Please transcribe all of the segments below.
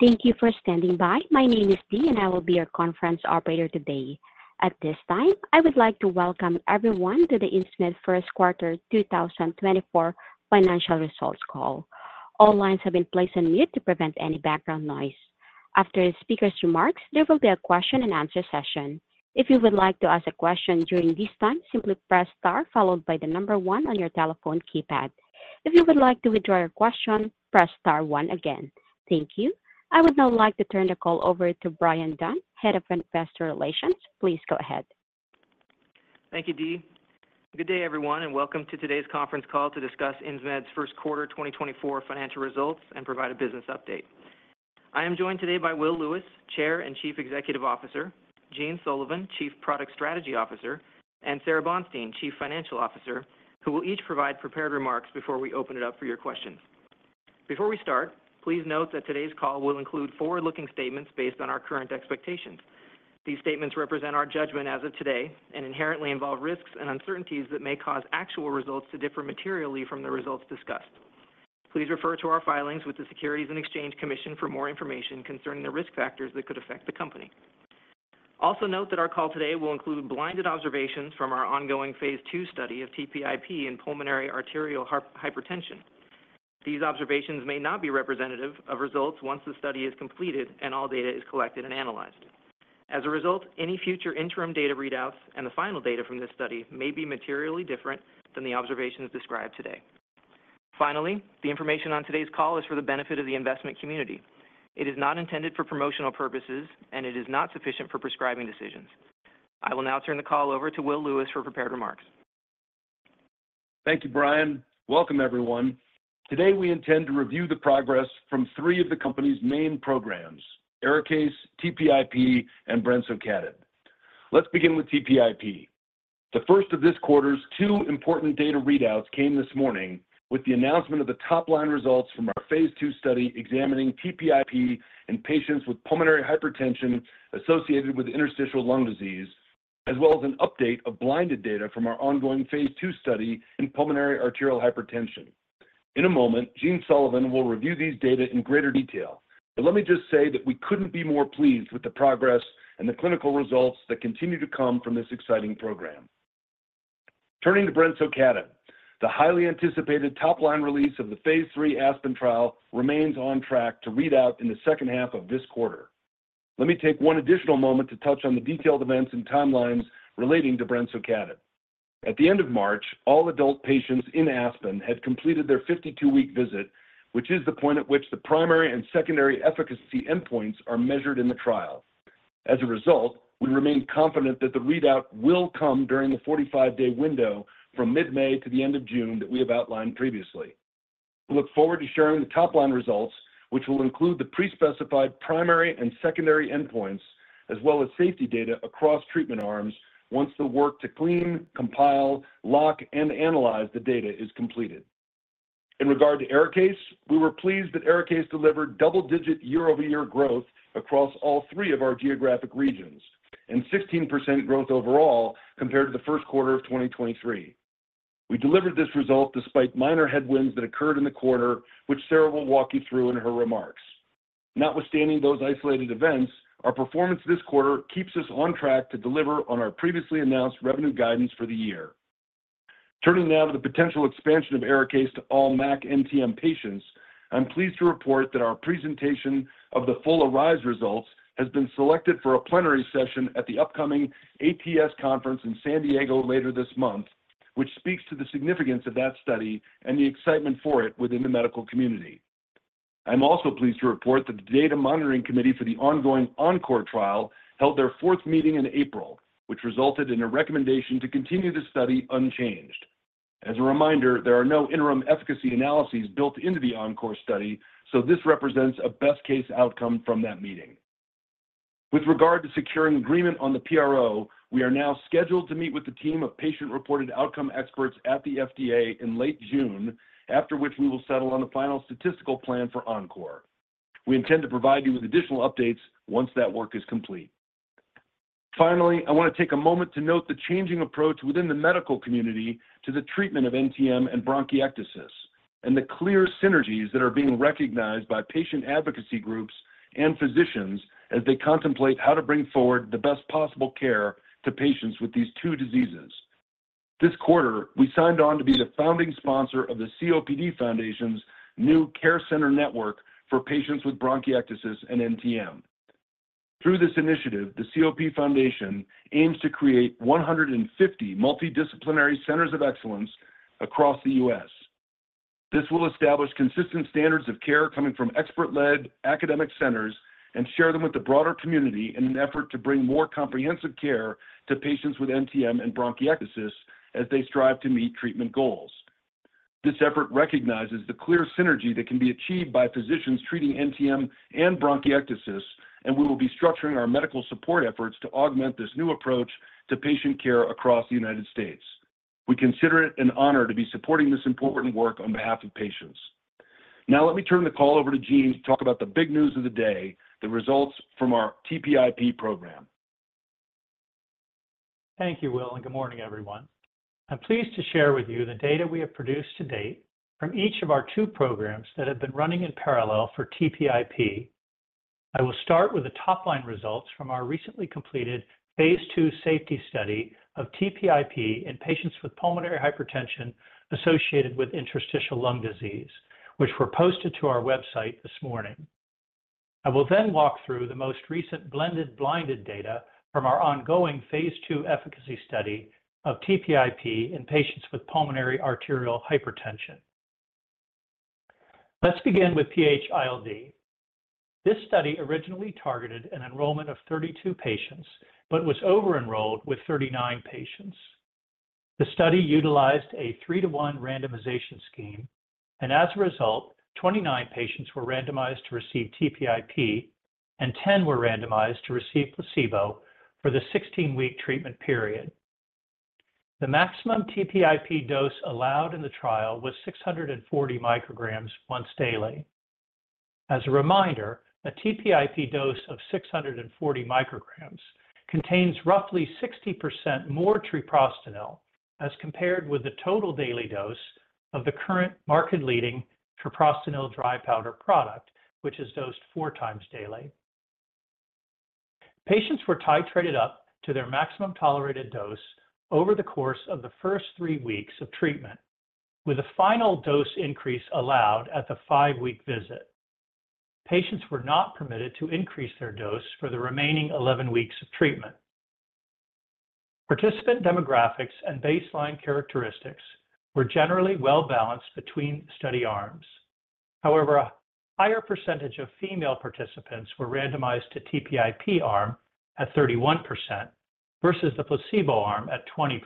Thank you for standing by. My name is Dee, and I will be your conference operator today. At this time, I would like to welcome everyone to the Insmed First Quarter 2024 Financial Results Call. All lines have been placed on mute to prevent any background noise. After the speaker's remarks, there will be a question-and-answer session. If you would like to ask a question during this time, simply press Star followed by the number one on your telephone keypad. If you would like to withdraw your question, press Star one again. Thank you. I would now like to turn the call over to Brian Dunn, Head of Investor Relations. Please go ahead. Thank you, Dee. Good day, everyone, and welcome to today's conference call to discuss Insmed's first quarter 2024 financial results and provide a business update. I am joined today by Will Lewis, Chair and Chief Executive Officer, Gene Sullivan, Chief Product Strategy Officer, and Sara Bonstein, Chief Financial Officer, who will each provide prepared remarks before we open it up for your questions. Before we start, please note that today's call will include forward-looking statements based on our current expectations. These statements represent our judgment as of today and inherently involve risks and uncertainties that may cause actual results to differ materially from the results discussed. Please refer to our filings with the Securities and Exchange Commission for more information concerning the risk factors that could affect the company. Also note that our call today will include blinded observations from our ongoing phase II study of TPIP in pulmonary arterial hypertension. These observations may not be representative of results once the study is completed and all data is collected and analyzed. As a result, any future interim data readouts and the final data from this study may be materially different than the observations described today. Finally, the information on today's call is for the benefit of the investment community. It is not intended for promotional purposes, and it is not sufficient for prescribing decisions. I will now turn the call over to Will Lewis for prepared remarks. Thank you, Brian. Welcome, everyone. Today, we intend to review the progress from three of the company's main programs, ARIKAYCE, TPIP, and brensocatib. Let's begin with TPIP. The first of this quarter's two important data readouts came this morning with the announcement of the top-line results from our phase 2 study examining TPIP in patients with pulmonary hypertension associated with interstitial lung disease, as well as an update of blinded data from our ongoing phase 2 study in pulmonary arterial hypertension. In a moment, Gene Sullivan will review these data in greater detail, but let me just say that we couldn't be more pleased with the progress and the clinical results that continue to come from this exciting program. Turning to brensocatib, the highly anticipated top-line release of the phase 3 ASPEN trial remains on track to read out in the second half of this quarter. Let me take one additional moment to touch on the detailed events and timelines relating to brensocatib. At the end of March, all adult patients in ASPEN had completed their 52-week visit, which is the point at which the primary and secondary efficacy endpoints are measured in the trial. As a result, we remain confident that the readout will come during the 45-day window from mid-May to the end of June that we have outlined previously. We look forward to sharing the top-line results, which will include the pre-specified primary and secondary endpoints, as well as safety data across treatment arms, once the work to clean, compile, lock, and analyze the data is completed. In regard to ARIKAYCE, we were pleased that ARIKAYCE delivered double-digit year-over-year growth across all three of our geographic regions and 16% growth overall compared to the first quarter of 2023. We delivered this result despite minor headwinds that occurred in the quarter, which Sara will walk you through in her remarks. Notwithstanding those isolated events, our performance this quarter keeps us on track to deliver on our previously announced revenue guidance for the year. Turning now to the potential expansion of ARIKAYCE to all MAC NTM patients, I'm pleased to report that our presentation of the full ARISE results has been selected for a plenary session at the upcoming ATS conference in San Diego later this month, which speaks to the significance of that study and the excitement for it within the medical community. I'm also pleased to report that the Data Monitoring Committee for the ongoing ENCORE trial held their fourth meeting in April, which resulted in a recommendation to continue the study unchanged. As a reminder, there are no interim efficacy analyses built into the ENCORE study, so this represents a best-case outcome from that meeting. With regard to securing agreement on the PRO, we are now scheduled to meet with the team of patient-reported outcome experts at the FDA in late June, after which we will settle on a final statistical plan for ENCORE. We intend to provide you with additional updates once that work is complete. Finally, I want to take a moment to note the changing approach within the medical community to the treatment of NTM and bronchiectasis, and the clear synergies that are being recognized by patient advocacy groups and physicians as they contemplate how to bring forward the best possible care to patients with these two diseases. This quarter, we signed on to be the founding sponsor of the COPD Foundation's new Care Center Network for patients with bronchiectasis and NTM. Through this initiative, the COPD Foundation aims to create 150 multidisciplinary centers of excellence across the U.S. This will establish consistent standards of care coming from expert-led academic centers and share them with the broader community in an effort to bring more comprehensive care to patients with NTM and bronchiectasis as they strive to meet treatment goals. This effort recognizes the clear synergy that can be achieved by physicians treating NTM and bronchiectasis, and we will be structuring our medical support efforts to augment this new approach to patient care across the United States. We consider it an honor to be supporting this important work on behalf of patients. Now, let me turn the call over to Gene to talk about the big news of the day, the results from our TPIP program.... Thank you, Will, and good morning, everyone. I'm pleased to share with you the data we have produced to date from each of our 2 programs that have been running in parallel for TPIP. I will start with the top-line results from our recently completed phase 2 safety study of TPIP in patients with pulmonary hypertension associated with interstitial lung disease, which were posted to our website this morning. I will then walk through the most recent blended blinded data from our ongoing phase 2 efficacy study of TPIP in patients with pulmonary arterial hypertension. Let's begin with PH-ILD. This study originally targeted an enrollment of 32 patients, but was over-enrolled with 39 patients. The study utilized a 3-to-1 randomization scheme, and as a result, 29 patients were randomized to receive TPIP, and 10 were randomized to receive placebo for the 16-week treatment period. The maximum TPIP dose allowed in the trial was 640 micrograms once daily. As a reminder, a TPIP dose of 640 micrograms contains roughly 60% more treprostinil, as compared with the total daily dose of the current market-leading treprostinil dry powder product, which is dosed four times daily. Patients were titrated up to their maximum tolerated dose over the course of the first three weeks of treatment, with a final dose increase allowed at the five-week visit. Patients were not permitted to increase their dose for the remaining 11 weeks of treatment. Participant demographics and baseline characteristics were generally well-balanced between study arms. However, a higher percentage of female participants were randomized to TPIP arm at 31% versus the placebo arm at 20%.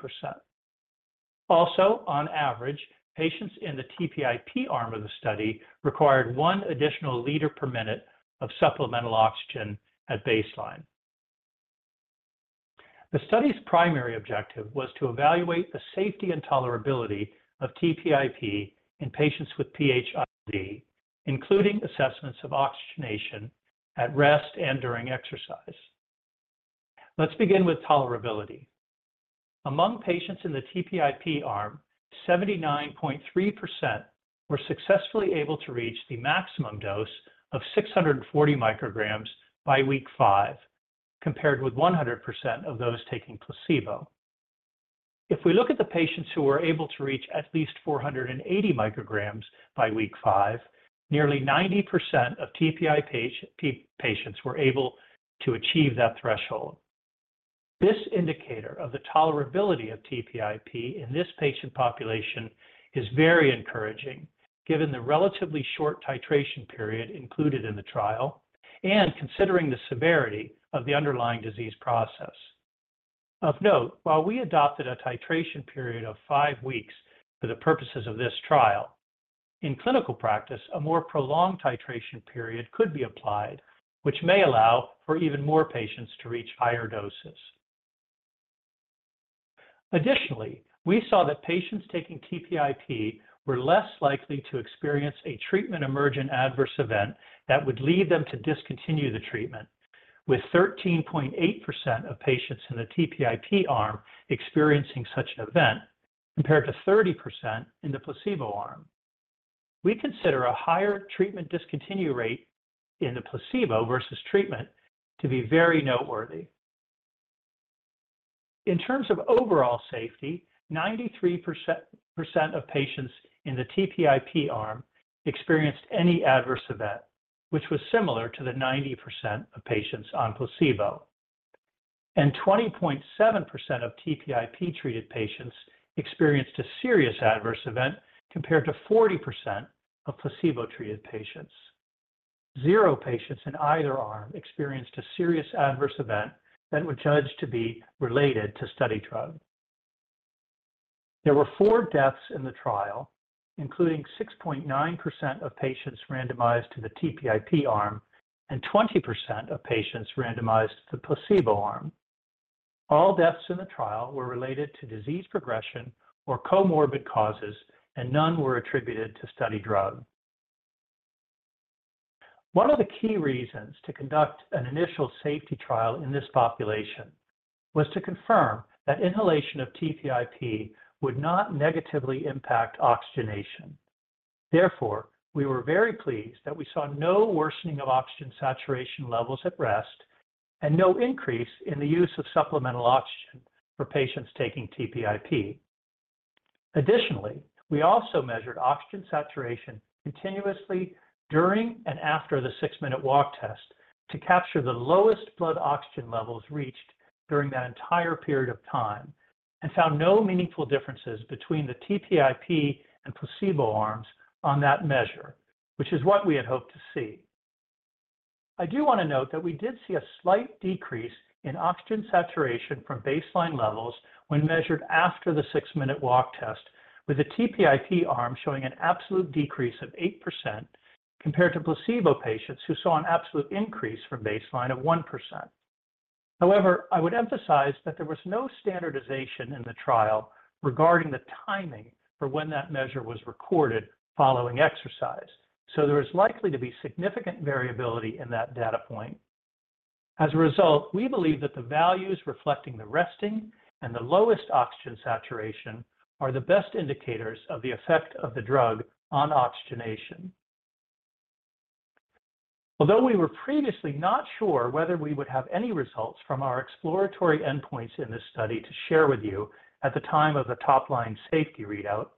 Also, on average, patients in the TPIP arm of the study required 1 additional liter per minute of supplemental oxygen at baseline. The study's primary objective was to evaluate the safety and tolerability of TPIP in patients with PH-ILD, including assessments of oxygenation at rest and during exercise. Let's begin with tolerability. Among patients in the TPIP arm, 79.3% were successfully able to reach the maximum dose of 640 micrograms by week five, compared with 100% of those taking placebo. If we look at the patients who were able to reach at least 480 micrograms by week five, nearly 90% of TPIP patient, TPIP patients were able to achieve that threshold. This indicator of the tolerability of TPIP in this patient population is very encouraging, given the relatively short titration period included in the trial and considering the severity of the underlying disease process. Of note, while we adopted a titration period of five weeks for the purposes of this trial, in clinical practice, a more prolonged titration period could be applied, which may allow for even more patients to reach higher doses. Additionally, we saw that patients taking TPIP were less likely to experience a treatment-emergent adverse event that would lead them to discontinue the treatment, with 13.8% of patients in the TPIP arm experiencing such an event, compared to 30% in the placebo arm. We consider a higher treatment discontinue rate in the placebo versus treatment to be very noteworthy. In terms of overall safety, 93% of patients in the TPIP arm experienced any adverse event, which was similar to the 90% of patients on placebo, and 20.7% of TPIP-treated patients experienced a serious adverse event, compared to 40% of placebo-treated patients. 0 patients in either arm experienced a serious adverse event that was judged to be related to study drug. There were 4 deaths in the trial, including 6.9% of patients randomized to the TPIP arm and 20% of patients randomized to the placebo arm. All deaths in the trial were related to disease progression or comorbid causes, and none were attributed to study drug. One of the key reasons to conduct an initial safety trial in this population was to confirm that inhalation of TPIP would not negatively impact oxygenation. Therefore, we were very pleased that we saw no worsening of oxygen saturation levels at rest and no increase in the use of supplemental oxygen for patients taking TPIP. Additionally, we also measured oxygen saturation continuously during and after the six-minute walk test to capture the lowest blood oxygen levels reached during that entire period of time and found no meaningful differences between the TPIP and placebo arms on that measure, which is what we had hoped to see. I do want to note that we did see a slight decrease in oxygen saturation from baseline levels when measured after the six-minute walk test, with the TPIP arm showing an absolute decrease of 8% compared to placebo patients, who saw an absolute increase from baseline of 1%. However, I would emphasize that there was no standardization in the trial regarding the timing for when that measure was recorded following exercise. So there is likely to be significant variability in that data point. As a result, we believe that the values reflecting the resting and the lowest oxygen saturation are the best indicators of the effect of the drug on oxygenation. Although we were previously not sure whether we would have any results from our exploratory endpoints in this study to share with you at the time of the top-line safety readout,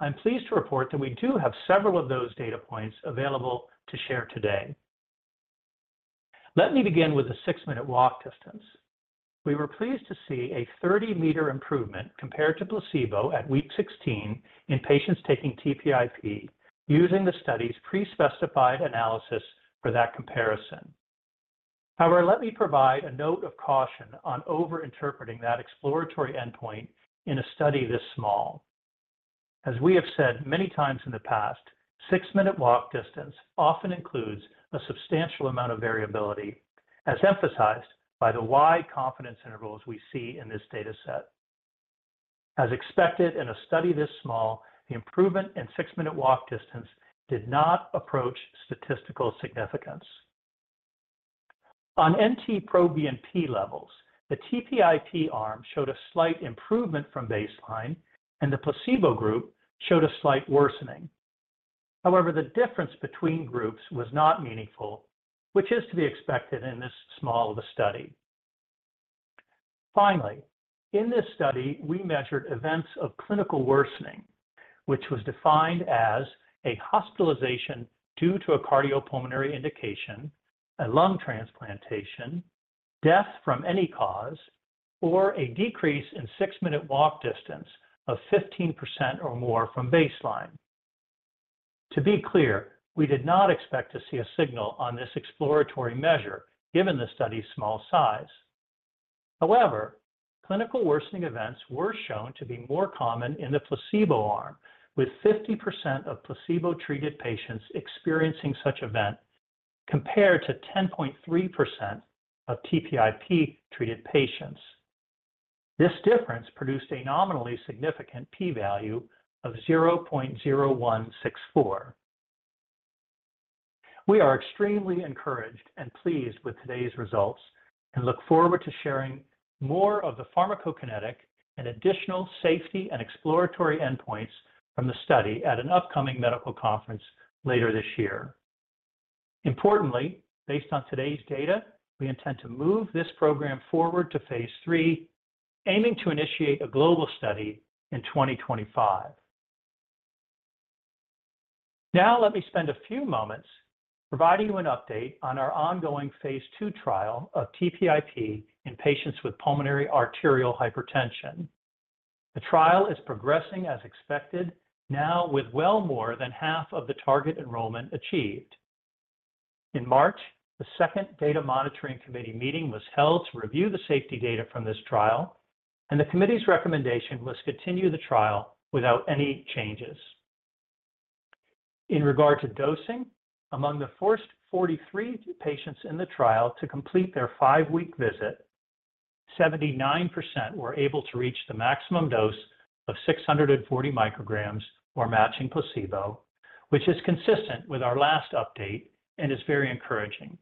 I'm pleased to report that we do have several of those data points available to share today. Let me begin with the six-minute walk distance. We were pleased to see a 30-meter improvement compared to placebo at week 16 in patients taking TPIP, using the study's pre-specified analysis for that comparison. However, let me provide a note of caution on overinterpreting that exploratory endpoint in a study this small. As we have said many times in the past, six-minute walk distance often includes a substantial amount of variability, as emphasized by the wide confidence intervals we see in this data set. As expected in a study this small, the improvement in six-minute walk distance did not approach statistical significance. On NT-proBNP levels, the TPIP arm showed a slight improvement from baseline, and the placebo group showed a slight worsening. However, the difference between groups was not meaningful, which is to be expected in this small of a study. Finally, in this study, we measured events of clinical worsening, which was defined as a hospitalization due to a cardiopulmonary indication, a lung transplantation, death from any cause, or a decrease in six-minute walk distance of 15% or more from baseline. To be clear, we did not expect to see a signal on this exploratory measure, given the study's small size. However, clinical worsening events were shown to be more common in the placebo arm, with 50% of placebo-treated patients experiencing such event, compared to 10.3% of TPIP-treated patients. This difference produced a nominally significant P value of 0.0164. We are extremely encouraged and pleased with today's results and look forward to sharing more of the pharmacokinetic and additional safety and exploratory endpoints from the study at an upcoming medical conference later this year. Importantly, based on today's data, we intend to move this program forward to phase 3, aiming to initiate a global study in 2025. Now, let me spend a few moments providing you an update on our ongoing phase 2 trial of TPIP in patients with pulmonary arterial hypertension. The trial is progressing as expected, now with well more than half of the target enrollment achieved. In March, the second Data Monitoring Committee meeting was held to review the safety data from this trial, and the committee's recommendation was to continue the trial without any changes. In regard to dosing, among the first 43 patients in the trial to complete their 5-week visit, 79% were able to reach the maximum dose of 640 micrograms or matching placebo, which is consistent with our last update and is very encouraging.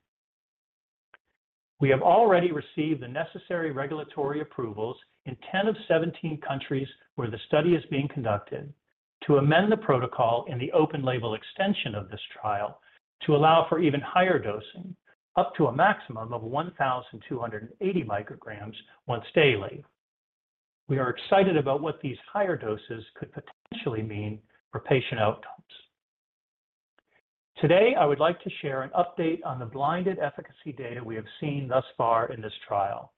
We have already received the necessary regulatory approvals in 10 of 17 countries where the study is being conducted to amend the protocol in the open label extension of this trial to allow for even higher dosing, up to a maximum of 1,280 micrograms once daily. We are excited about what these higher doses could potentially mean for patient outcomes. Today, I would like to share an update on the blinded efficacy data we have seen thus far in this trial.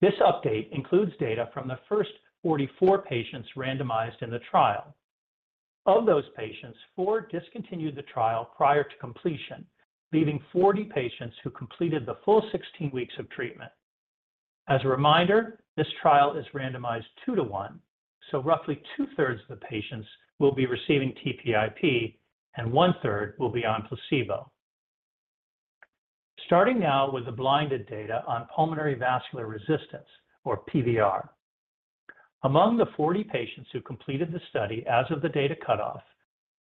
This update includes data from the first 44 patients randomized in the trial. Of those patients, four discontinued the trial prior to completion, leaving 40 patients who completed the full 16 weeks of treatment. As a reminder, this trial is randomized 2 to 1, so roughly two-thirds of the patients will be receiving TPIP and one-third will be on placebo. Starting now with the blinded data on pulmonary vascular resistance, or PVR. Among the 40 patients who completed the study as of the data cutoff,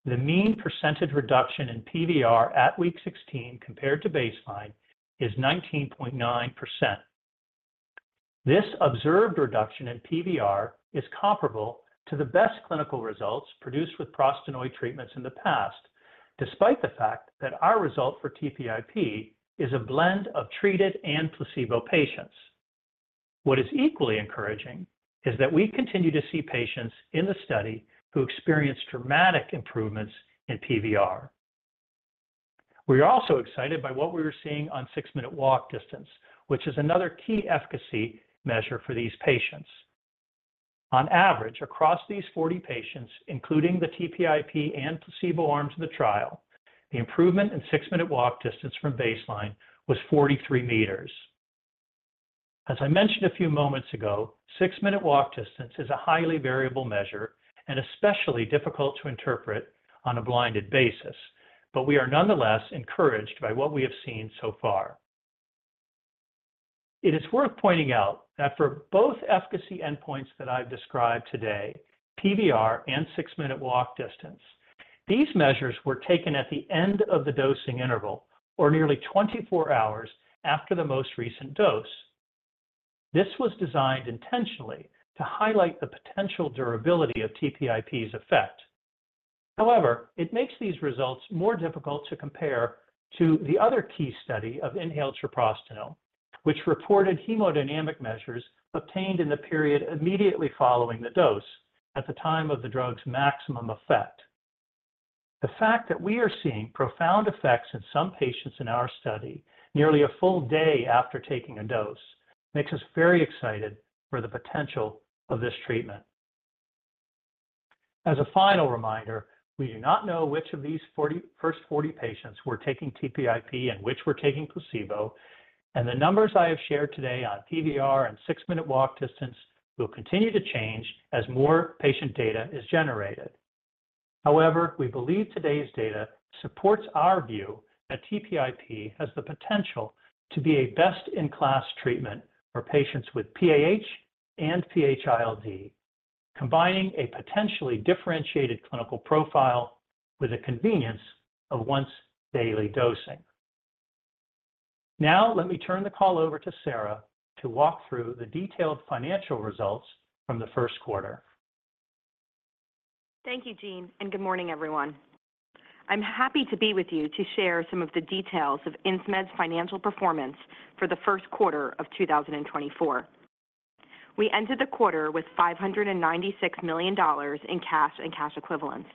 the mean percentage reduction in PVR at week 16 compared to baseline is 19.9%. This observed reduction in PVR is comparable to the best clinical results produced with prostanoid treatments in the past, despite the fact that our result for TPIP is a blend of treated and placebo patients. What is equally encouraging is that we continue to see patients in the study who experience dramatic improvements in PVR. We are also excited by what we were seeing on six-minute walk distance, which is another key efficacy measure for these patients. On average, across these 40 patients, including the TPIP and placebo arms of the trial, the improvement in six-minute walk distance from baseline was 43 meters. As I mentioned a few moments ago, six-minute walk distance is a highly variable measure and especially difficult to interpret on a blinded basis, but we are nonetheless encouraged by what we have seen so far. It is worth pointing out that for both efficacy endpoints that I've described today, PVR and six-minute walk distance, these measures were taken at the end of the dosing interval, or nearly 24 hours after the most recent dose. This was designed intentionally to highlight the potential durability of TPIP's effect. However, it makes these results more difficult to compare to the other key study of inhaled treprostinil, which reported hemodynamic measures obtained in the period immediately following the dose at the time of the drug's maximum effect. The fact that we are seeing profound effects in some patients in our study, nearly a full day after taking a dose, makes us very excited for the potential of this treatment. As a final reminder, we do not know which of these first 40 patients were taking TPIP and which were taking placebo, and the numbers I have shared today on PVR and six-minute walk distance will continue to change as more patient data is generated. However, we believe today's data supports our view that TPIP has the potential to be a best-in-class treatment for patients with PAH and PH-ILD, combining a potentially differentiated clinical profile with the convenience of once-daily dosing. Now, let me turn the call over to Sara to walk through the detailed financial results from the first quarter. Thank you, Gene, and good morning, everyone. I'm happy to be with you to share some of the details of Insmed's financial performance for the first quarter of 2024. We ended the quarter with $596 million in cash and cash equivalents.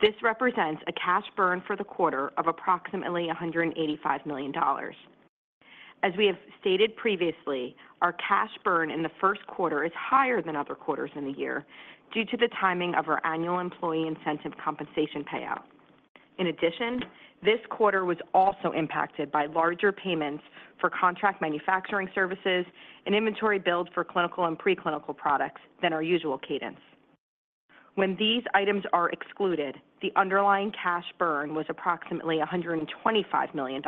This represents a cash burn for the quarter of approximately $185 million. As we have stated previously, our cash burn in the first quarter is higher than other quarters in the year due to the timing of our annual employee incentive compensation payout. In addition, this quarter was also impacted by larger payments for contract manufacturing services and inventory build for clinical and preclinical products than our usual cadence. When these items are excluded, the underlying cash burn was approximately $125 million,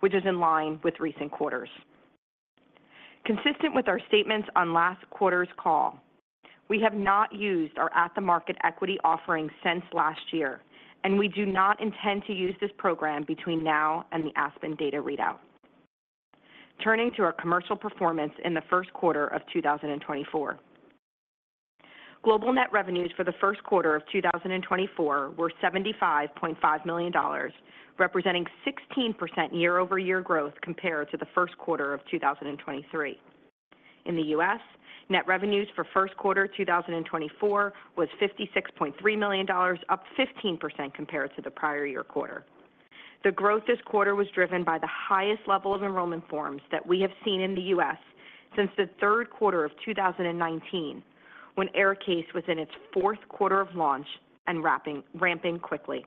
which is in line with recent quarters. Consistent with our statements on last quarter's call, we have not used our at-the-market equity offerings since last year, and we do not intend to use this program between now and the ASPEN data readout. Turning to our commercial performance in the first quarter of 2024. Global net revenues for the first quarter of 2024 were $75.5 million, representing 16% year-over-year growth compared to the first quarter of 2023. In the U.S., net revenues for first quarter 2024 was $56.3 million, up 15% compared to the prior year quarter. The growth this quarter was driven by the highest level of enrollment forms that we have seen in the U.S. since the third quarter of 2019, when ARIKAYCE was in its fourth quarter of launch and ramping quickly.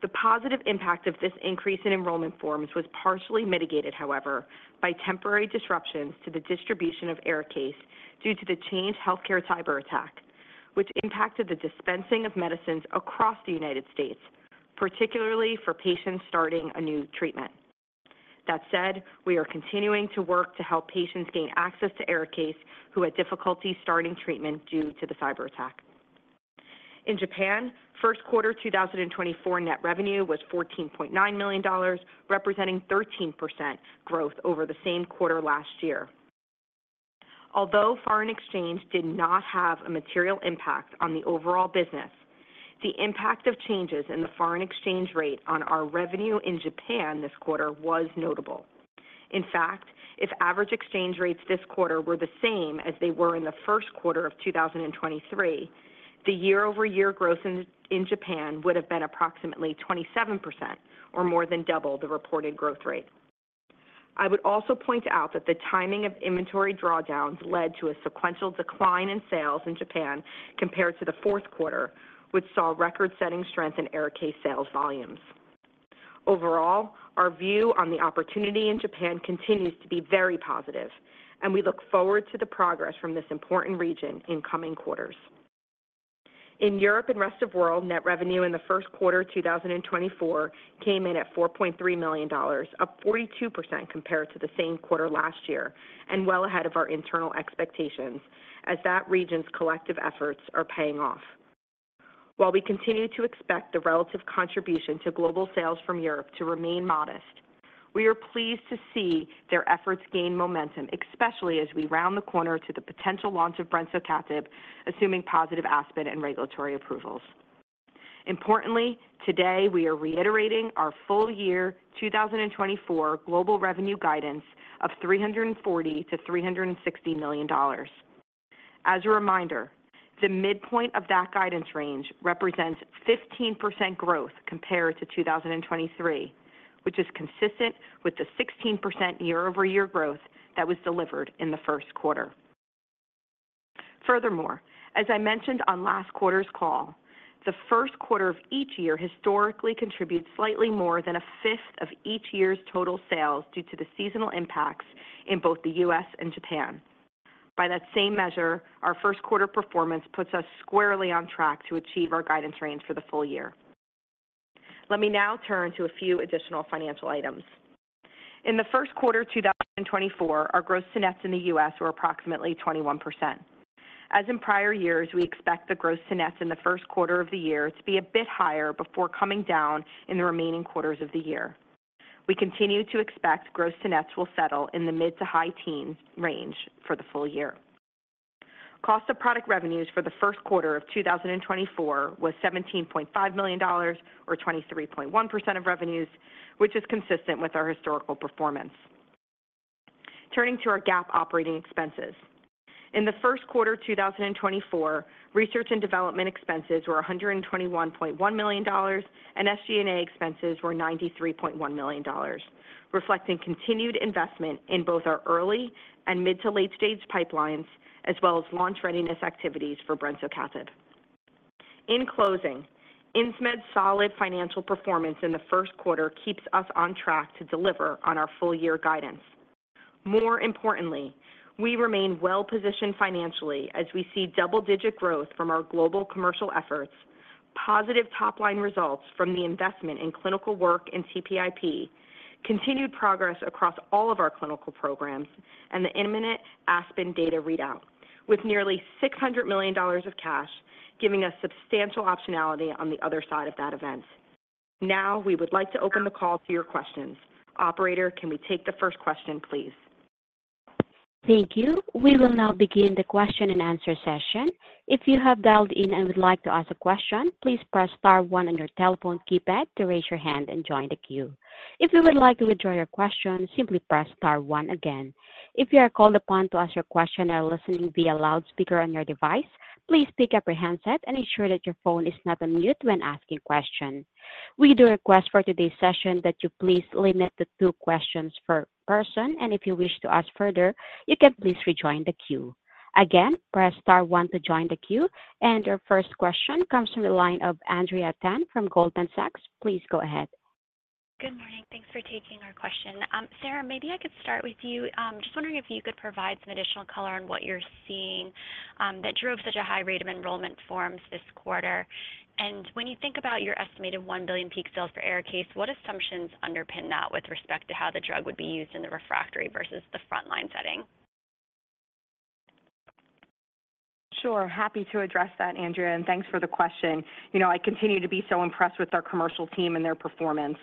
The positive impact of this increase in enrollment forms was partially mitigated, however, by temporary disruptions to the distribution of ARIKAYCE due to the Change Healthcare cyberattack, which impacted the dispensing of medicines across the United States, particularly for patients starting a new treatment. That said, we are continuing to work to help patients gain access to ARIKAYCE who had difficulty starting treatment due to the cyberattack. In Japan, first quarter 2024 net revenue was $14.9 million, representing 13% growth over the same quarter last year. Although foreign exchange did not have a material impact on the overall business, the impact of changes in the foreign exchange rate on our revenue in Japan this quarter was notable. In fact, if average exchange rates this quarter were the same as they were in the first quarter of 2023, the year-over-year growth in Japan would have been approximately 27% or more than double the reported growth rate. I would also point out that the timing of inventory drawdowns led to a sequential decline in sales in Japan compared to the fourth quarter, which saw record-setting strength in ARIKAYCE sales volumes. Overall, our view on the opportunity in Japan continues to be very positive, and we look forward to the progress from this important region in coming quarters. In Europe and rest of world, net revenue in the first quarter 2024 came in at $4.3 million, up 42% compared to the same quarter last year, and well ahead of our internal expectations as that region's collective efforts are paying off. While we continue to expect the relative contribution to global sales from Europe to remain modest, we are pleased to see their efforts gain momentum, especially as we round the corner to the potential launch of brensocatib, assuming positive ASPEN and regulatory approvals. Importantly, today, we are reiterating our full year 2024 global revenue guidance of $340 million-$360 million. As a reminder, the midpoint of that guidance range represents 15% growth compared to 2023, which is consistent with the 16% year-over-year growth that was delivered in the first quarter. Furthermore, as I mentioned on last quarter's call, the first quarter of each year historically contributes slightly more than a fifth of each year's total sales due to the seasonal impacts in both the U.S. and Japan. By that same measure, our first quarter performance puts us squarely on track to achieve our guidance range for the full year. Let me now turn to a few additional financial items. In the first quarter 2024, our gross to nets in the U.S. were approximately 21%. As in prior years, we expect the gross to nets in the first quarter of the year to be a bit higher before coming down in the remaining quarters of the year. We continue to expect gross to nets will settle in the mid- to high-teens range for the full year. Cost of product revenues for the first quarter of 2024 was $17.5 million or 23.1% of revenues, which is consistent with our historical performance. Turning to our GAAP operating expenses. In the first quarter, 2024, research and development expenses were $121.1 million, and SG&A expenses were $93.1 million dollars, reflecting continued investment in both our early and mid- to late-stage pipelines, as well as launch readiness activities for brensocatib. In closing, Insmed's solid financial performance in the first quarter keeps us on track to deliver on our full year guidance. More importantly, we remain well-positioned financially as we see double-digit growth from our global commercial efforts, positive top-line results from the investment in clinical work in TPIP, continued progress across all of our clinical programs, and the imminent ASPEN data readout, with nearly $600 million of cash, giving us substantial optionality on the other side of that event. Now, we would like to open the call to your questions. Operator, can we take the first question, please? Thank you. We will now begin the question and answer session. If you have dialed in and would like to ask a question, please press star one on your telephone keypad to raise your hand and join the queue. If you would like to withdraw your question, simply press star one again. If you are called upon to ask your question and are listening via loudspeaker on your device, please pick up your handset and ensure that your phone is not on mute when asking question. We do request for today's session that you please limit to two questions per person, and if you wish to ask further, you can please rejoin the queue. Again, press star one to join the queue, and your first question comes from the line of Andrea Tan from Goldman Sachs. Please go ahead. Good morning. Thanks for taking our question. Sara, maybe I could start with you. Just wondering if you could provide some additional color on what you're seeing that drove such a high rate of enrollment for MAC this quarter. And when you think about your estimated $1 billion peak sales for ARIKAYCE, what assumptions underpin that with respect to how the drug would be used in the refractory versus the frontline setting? Sure. Happy to address that, Andrea, and thanks for the question. You know, I continue to be so impressed with our commercial team and their performance.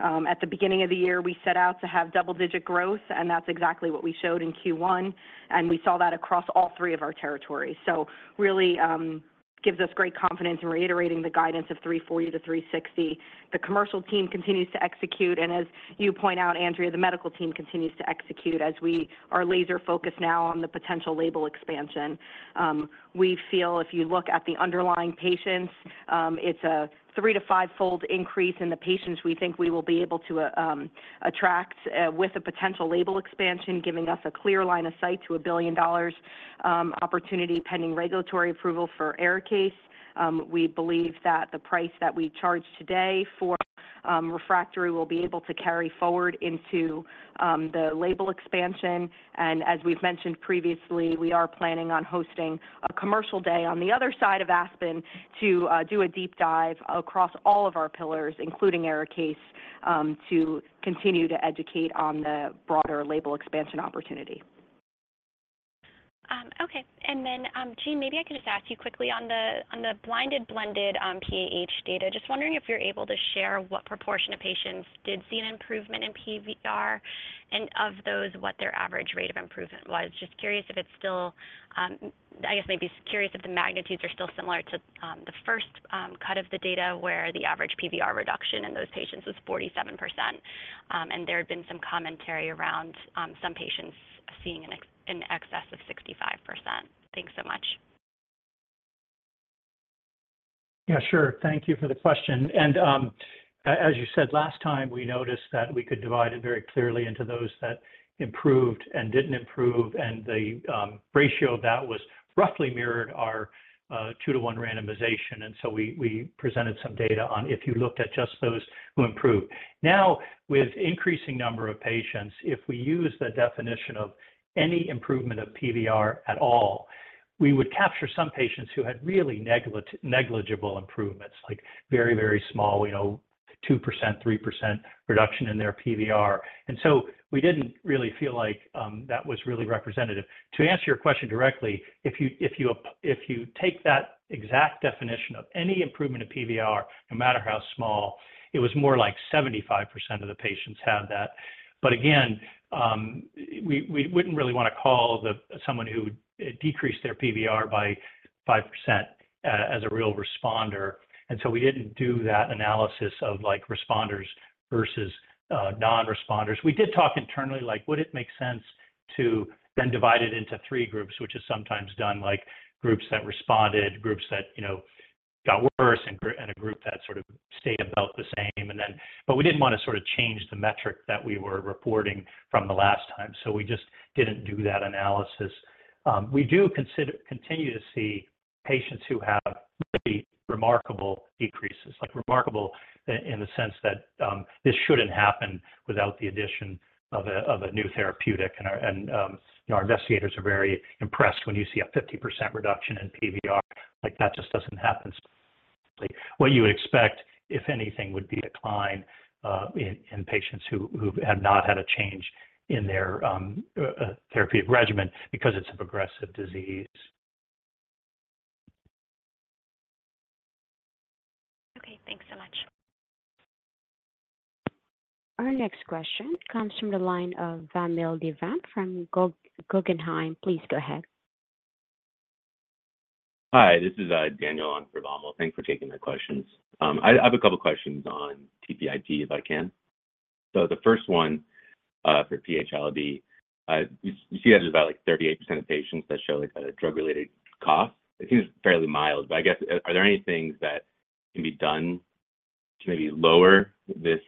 At the beginning of the year, we set out to have double-digit growth, and that's exactly what we showed in Q1, and we saw that across all three of our territories. So really, gives us great confidence in reiterating the guidance of $340-$360. The commercial team continues to execute, and as you point out, Andrea, the medical team continues to execute as we are laser focused now on the potential label expansion. We feel if you look at the underlying patients, it's a 3- to 5-fold increase in the patients we think we will be able to attract with a potential label expansion, giving us a clear line of sight to a $1 billion opportunity, pending regulatory approval for ARIKAYCE. We believe that the price that we charge today for refractory will be able to carry forward into the label expansion. And as we've mentioned previously, we are planning on hosting a commercial day on the other side of ASPEN to do a deep dive across all of our pillars, including ARIKAYCE, to continue to educate on the broader label expansion opportunity. Okay. And then, Gene, maybe I could just ask you quickly on the, on the blinded, blended PAH data. Just wondering if you're able to share what proportion of patients did see an improvement in PVR, and of those, what their average rate of improvement was. Just curious if it's still... I guess maybe curious if the magnitudes are still similar to the first cut of the data, where the average PVR reduction in those patients was 47%, and there had been some commentary around some patients seeing an excess of 65%. Thanks so much. Yeah, sure. Thank you for the question. And, as you said, last time, we noticed that we could divide it very clearly into those that improved and didn't improve, and the ratio of that was roughly mirrored our 2-to-1 randomization, and so we presented some data on if you looked at just those who improved. Now, with increasing number of patients, if we use the definition of any improvement of PVR at all, we would capture some patients who had really negligible improvements, like very, very small, you know, 2%, 3% reduction in their PVR. And so we didn't really feel like that was really representative. To answer your question directly, if you take that exact definition of any improvement of PVR, no matter how small, it was more like 75% of the patients had that. But again, we wouldn't really wanna call someone who decreased their PVR by 5% a real responder, and so we didn't do that analysis of, like, responders versus non-responders. We did talk internally, like, would it make sense to then divide it into three groups, which is sometimes done, like groups that responded, groups that, you know, got worse, and a group that sort of stayed about the same. But we didn't wanna sort of change the metric that we were reporting from the last time, so we just didn't do that analysis. We do continue to see patients who have pretty remarkable decreases, like remarkable in the sense that this shouldn't happen without the addition of a new therapeutic. Our investigators are very impressed when you see a 50% reduction in PVR. Like, that just doesn't happen, like what you would expect, if anything, would be a decline in patients who have not had a change in their therapeutic regimen because it's a progressive disease. Okay, thanks so much. Our next question comes from the line of Vamil Divan from Guggenheim. Please go ahead. Hi, this is Daniel on for Vamil Divan. Thanks for taking my questions. I have a couple questions on TPIP, if I can. So the first one, for PH-ILD, you see that there's about, like, 38% of patients that show, like, a drug-related cough. It seems fairly mild, but I guess, are there any things that can be done to maybe lower this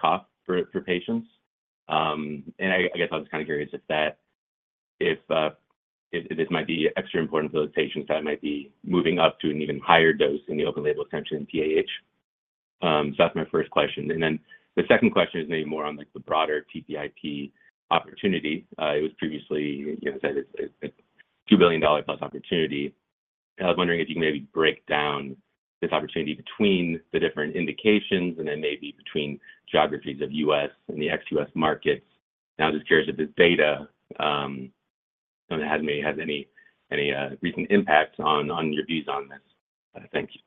cough for patients? And I guess I'm just kinda curious if that—if this might be extra important for those patients that might be moving up to an even higher dose in the open-label extension in PAH. So that's my first question. And then the second question is maybe more on, like, the broader TPIP opportunity. It was previously, you know, said it's a $2 billion plus opportunity. I was wondering if you can maybe break down this opportunity between the different indications and then maybe between geographies of U.S. and the ex-U.S. markets. And I'm just curious if this data has any recent impact on your views on this. Thank you.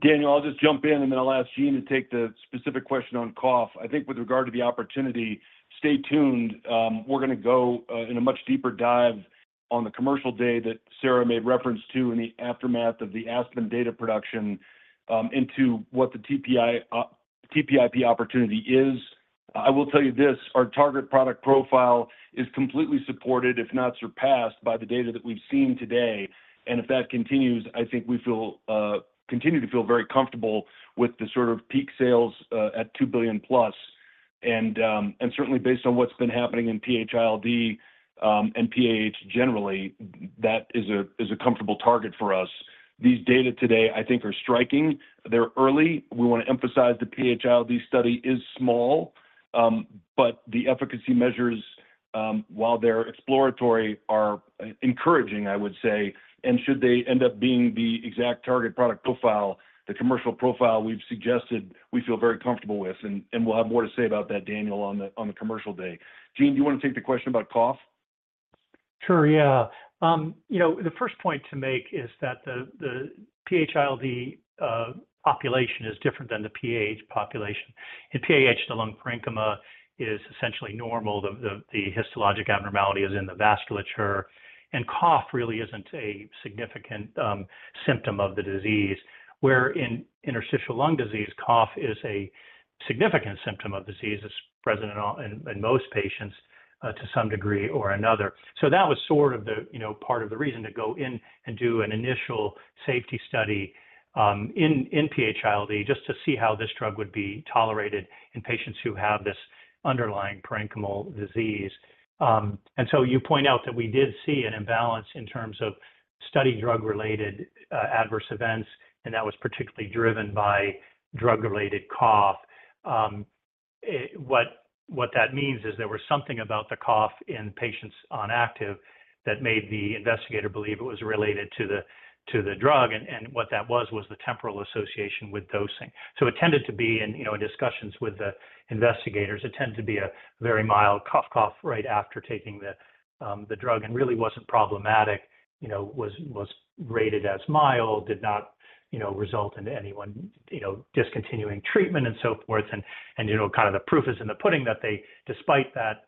Daniel, I'll just jump in, and then I'll ask Gene to take the specific question on cough. I think with regard to the opportunity, stay tuned. We're gonna go in a much deeper dive on the commercial day that Sara made reference to in the aftermath of the ASPEN data production, into what the TPIP opportunity is. I will tell you this: our target product profile is completely supported, if not surpassed, by the data that we've seen today. And if that continues, I think we feel, continue to feel very comfortable with the sort of peak sales at $2 billion+. And, and certainly based on what's been happening in PH-ILD, and PAH generally, that is a, is a comfortable target for us. These data today, I think, are striking. They're early. We wanna emphasize the PH-ILD study is small, but the efficacy measures, while they're exploratory, are encouraging, I would say. And should they end up being the exact target product profile, the commercial profile we've suggested, we feel very comfortable with, and we'll have more to say about that, Daniel, on the commercial day. Gene, do you wanna take the question about cough? Sure, yeah. You know, the first point to make is that the PH-ILD population is different than the PAH population. In PAH, the lung parenchyma is essentially normal. The histologic abnormality is in the vasculature, and cough really isn't a significant symptom of the disease. Where in interstitial lung disease, cough is a significant symptom of disease. It's present in all- in most patients to some degree or another. So that was sort of the you know, part of the reason to go in and do an initial safety study in PH-ILD, just to see how this drug would be tolerated in patients who have this underlying parenchymal disease. And so you point out that we did see an imbalance in terms of study drug-related adverse events, and that was particularly driven by drug-related cough. What that means is there was something about the cough in patients on active that made the investigator believe it was related to the, to the drug, and what that was, was the temporal association with dosing. So it tended to be in, you know, in discussions with the investigators, it tended to be a very mild cough right after taking the, the drug, and really wasn't problematic, you know, was rated as mild, did not, you know, result in anyone, you know, discontinuing treatment and so forth. And, you know, kind of the proof is in the pudding that they, despite that,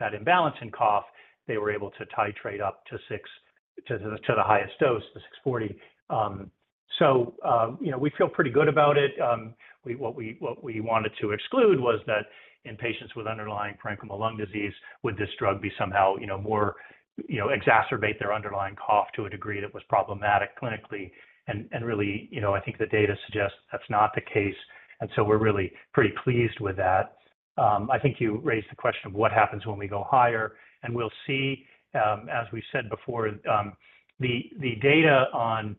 that imbalance in cough, they were able to titrate up to 6 to the highest dose, the 640. So, you know, we feel pretty good about it. What we wanted to exclude was that in patients with underlying parenchymal lung disease, would this drug be somehow, you know, more, you know, exacerbate their underlying cough to a degree that was problematic clinically? And really, you know, I think the data suggests that's not the case, and so we're really pretty pleased with that. I think you raised the question of what happens when we go higher, and we'll see, as we've said before, the data on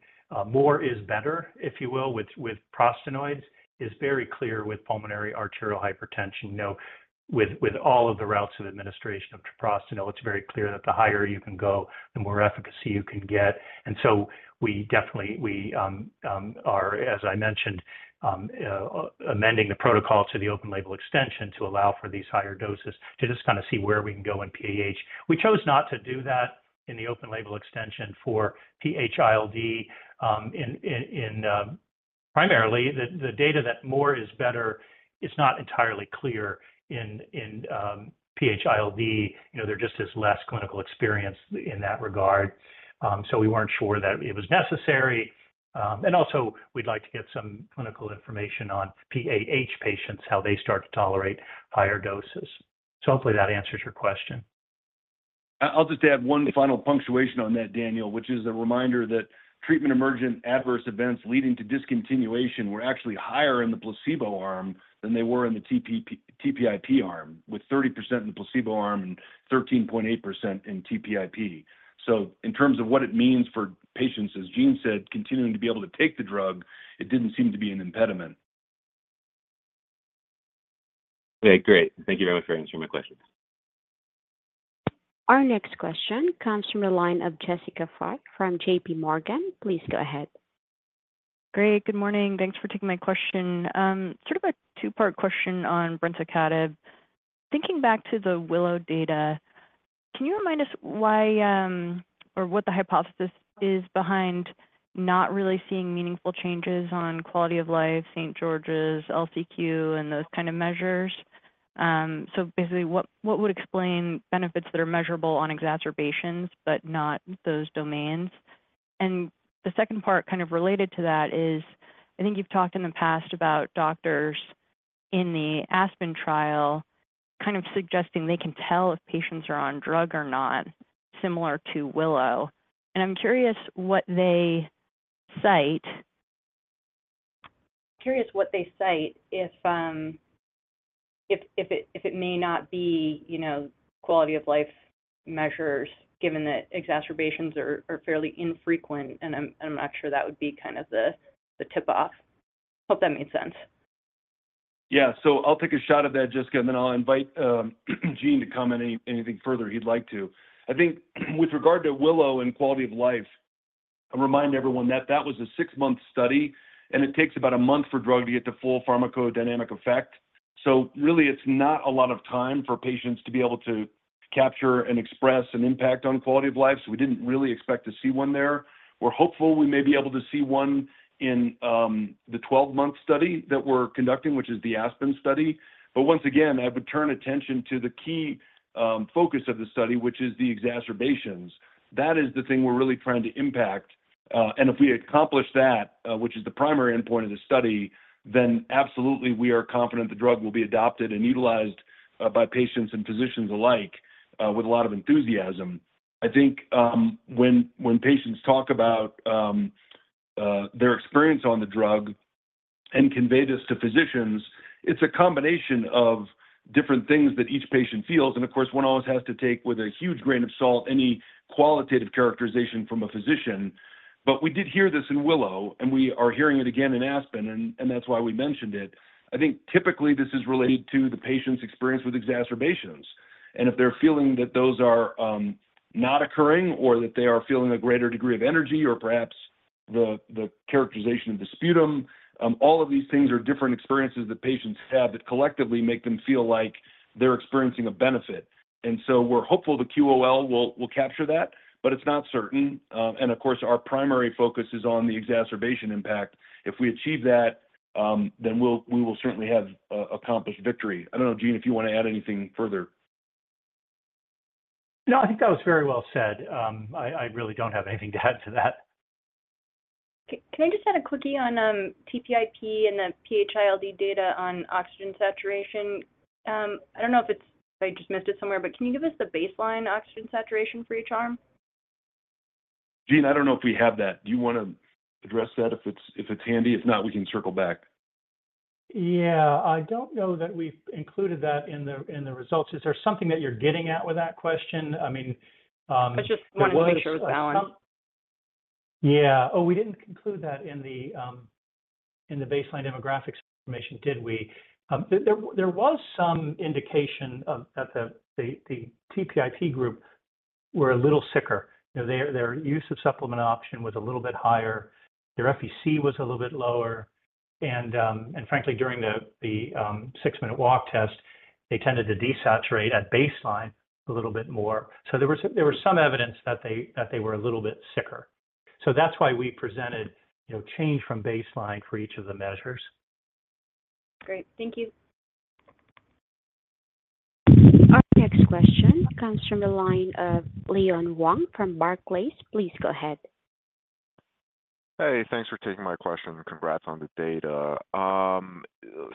more is better, if you will, with prostanoids, is very clear with pulmonary arterial hypertension. You know, with all of the routes of administration of treprostinil, it's very clear that the higher you can go, the more efficacy you can get. We definitely are, as I mentioned, amending the protocol to the open-label extension to allow for these higher doses to just kinda see where we can go in PAH. We chose not to do that in the open-label extension for PH-ILD primarily, the data that more is better is not entirely clear in PH-ILD. You know, there just is less clinical experience in that regard, so we weren't sure that it was necessary. And also, we'd like to get some clinical information on PAH patients, how they start to tolerate higher doses. So hopefully that answers your question. I'll just add one final punctuation on that, Daniel, which is a reminder that treatment-emergent adverse events leading to discontinuation were actually higher in the placebo arm than they were in the TPIP arm, with 30% in the placebo arm and 13.8% in TPIP. So in terms of what it means for patients, as Gene said, continuing to be able to take the drug, it didn't seem to be an impediment.... Okay, great. Thank you very much for answering my questions. Our next question comes from the line of Jessica Fye from J.P. Morgan. Please go ahead. Great. Good morning. Thanks for taking my question. Sort of a two-part question on brensocatib. Thinking back to the WILLOW data, can you remind us why, or what the hypothesis is behind not really seeing meaningful changes on quality of life, St. George's, LCQ, and those kind of measures? So basically, what would explain benefits that are measurable on exacerbations, but not those domains? And the second part, kind of related to that, is I think you've talked in the past about doctors in the ASPEN trial, kind of suggesting they can tell if patients are on drug or not, similar to WILLOW. I'm curious what they cite if it may not be, you know, quality-of-life measures, given that exacerbations are fairly infrequent, and I'm not sure that would be kind of the tip-off. Hope that made sense. Yeah. So I'll take a shot at that, Jessica, and then I'll invite Gene to come in anything further he'd like to. I think with regard to WILLOW and quality of life, I'll remind everyone that that was a 6-month study, and it takes about a month for drug to get to full pharmacodynamic effect. So really, it's not a lot of time for patients to be able to capture and express an impact on quality of life, so we didn't really expect to see one there. We're hopeful we may be able to see one in the 12-month study that we're conducting, which is the ASPEN study. But once again, I would turn attention to the key focus of the study, which is the exacerbations. That is the thing we're really trying to impact. And if we accomplish that, which is the primary endpoint of the study, then absolutely, we are confident the drug will be adopted and utilized by patients and physicians alike with a lot of enthusiasm. I think, when patients talk about their experience on the drug and convey this to physicians, it's a combination of different things that each patient feels. And of course, one always has to take with a huge grain of salt any qualitative characterization from a physician. But we did hear this in Willow, and we are hearing it again in ASPEN, and that's why we mentioned it. I think typically this is related to the patient's experience with exacerbations. And if they're feeling that those are not occurring, or that they are feeling a greater degree of energy, or perhaps the characterization of the sputum, all of these things are different experiences that patients have that collectively make them feel like they're experiencing a benefit. And so we're hopeful the QOL will capture that, but it's not certain. And of course, our primary focus is on the exacerbation impact. If we achieve that, then we'll- we will certainly have accomplished victory. I don't know, Gene, if you want to add anything further. No, I think that was very well said. I really don't have anything to add to that. Okay. Can I just add a quickie on TPIP and the PH-ILD data on oxygen saturation? I don't know if I just missed it somewhere, but can you give us the baseline oxygen saturation for each arm? Gene, I don't know if we have that. Do you wanna address that, if it's, if it's handy? If not, we can circle back. Yeah. I don't know that we've included that in the results. Is there something that you're getting at with that question? I mean, I just wanted to make sure it was balanced. Yeah. Oh, we didn't include that in the baseline demographics information, did we? There was some indication that the TPIP group were a little sicker. You know, their use of supplemental oxygen was a little bit higher, their FVC was a little bit lower, and frankly, during the six-minute walk test, they tended to desaturate at baseline a little bit more. So there was some evidence that they were a little bit sicker. So that's why we presented, you know, change from baseline for each of the measures. Great. Thank you. Our next question comes from the line of Leon Wang from Barclays. Please go ahead. Hey, thanks for taking my question, and congrats on the data.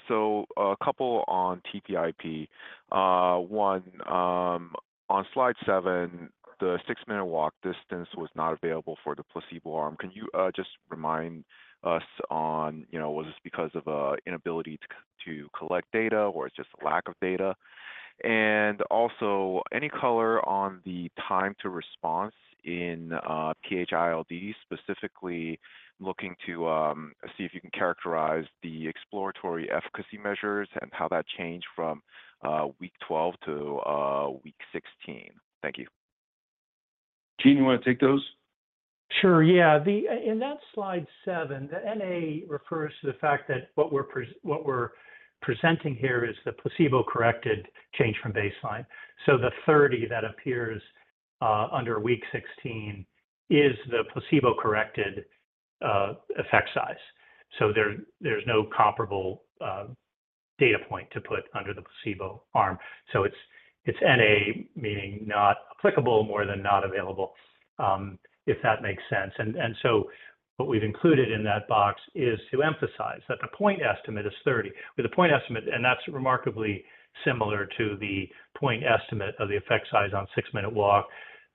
So a couple on TPIP. One, on slide 7, the six-minute walk distance was not available for the placebo arm. Can you just remind us on, you know, was this because of an inability to collect data, or it's just lack of data? And also, any color on the time to response in PH-ILD, specifically looking to see if you can characterize the exploratory efficacy measures and how that changed from week 12 to week 16. Thank you. Gene, you wanna take those? Sure, yeah. In that slide 7, the NA refers to the fact that what we're presenting here is the placebo-corrected change from baseline. So the 30 that appears under week 16 is the placebo-corrected effect size. So there's no comparable data point to put under the placebo arm. So it's NA, meaning not applicable more than not available, if that makes sense. So what we've included in that box is to emphasize that the point estimate is 30. With the point estimate, and that's remarkably similar to the point estimate of the effect size on six-minute walk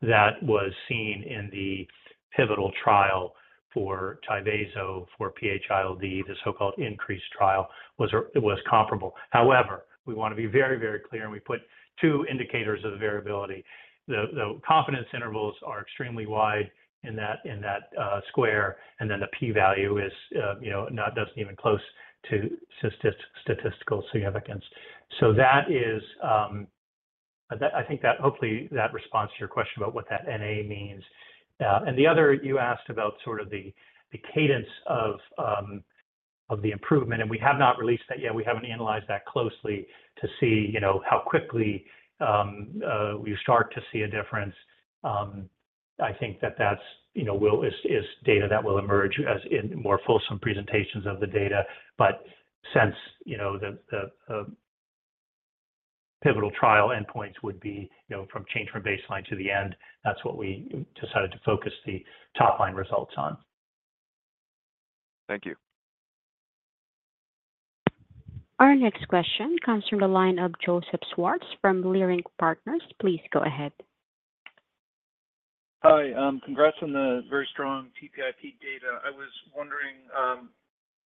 that was seen in the pivotal trial for Tyvaso, for PH-ILD, the so-called INCREASE trial, it was comparable. However, we wanna be very, very clear, and we put two indicators of the variability. The confidence intervals are extremely wide in that square, and then the p-value is, you know, not even close to statistical significance. So that is. I think that hopefully that responds to your question about what that NA means. And the other, you asked about sort of the cadence of the improvement, and we have not released that yet. We haven't analyzed that closely to see, you know, how quickly we start to see a difference. I think that that's, you know, Will, is data that will emerge as in more fulsome presentations of the data. But since, you know, the pivotal trial endpoints would be, you know, from change from baseline to the end, that's what we decided to focus the top-line results on. Thank you. Our next question comes from the line of Joseph Schwartz from Leerink Partners. Please go ahead. Hi, congrats on the very strong TPIP data. I was wondering,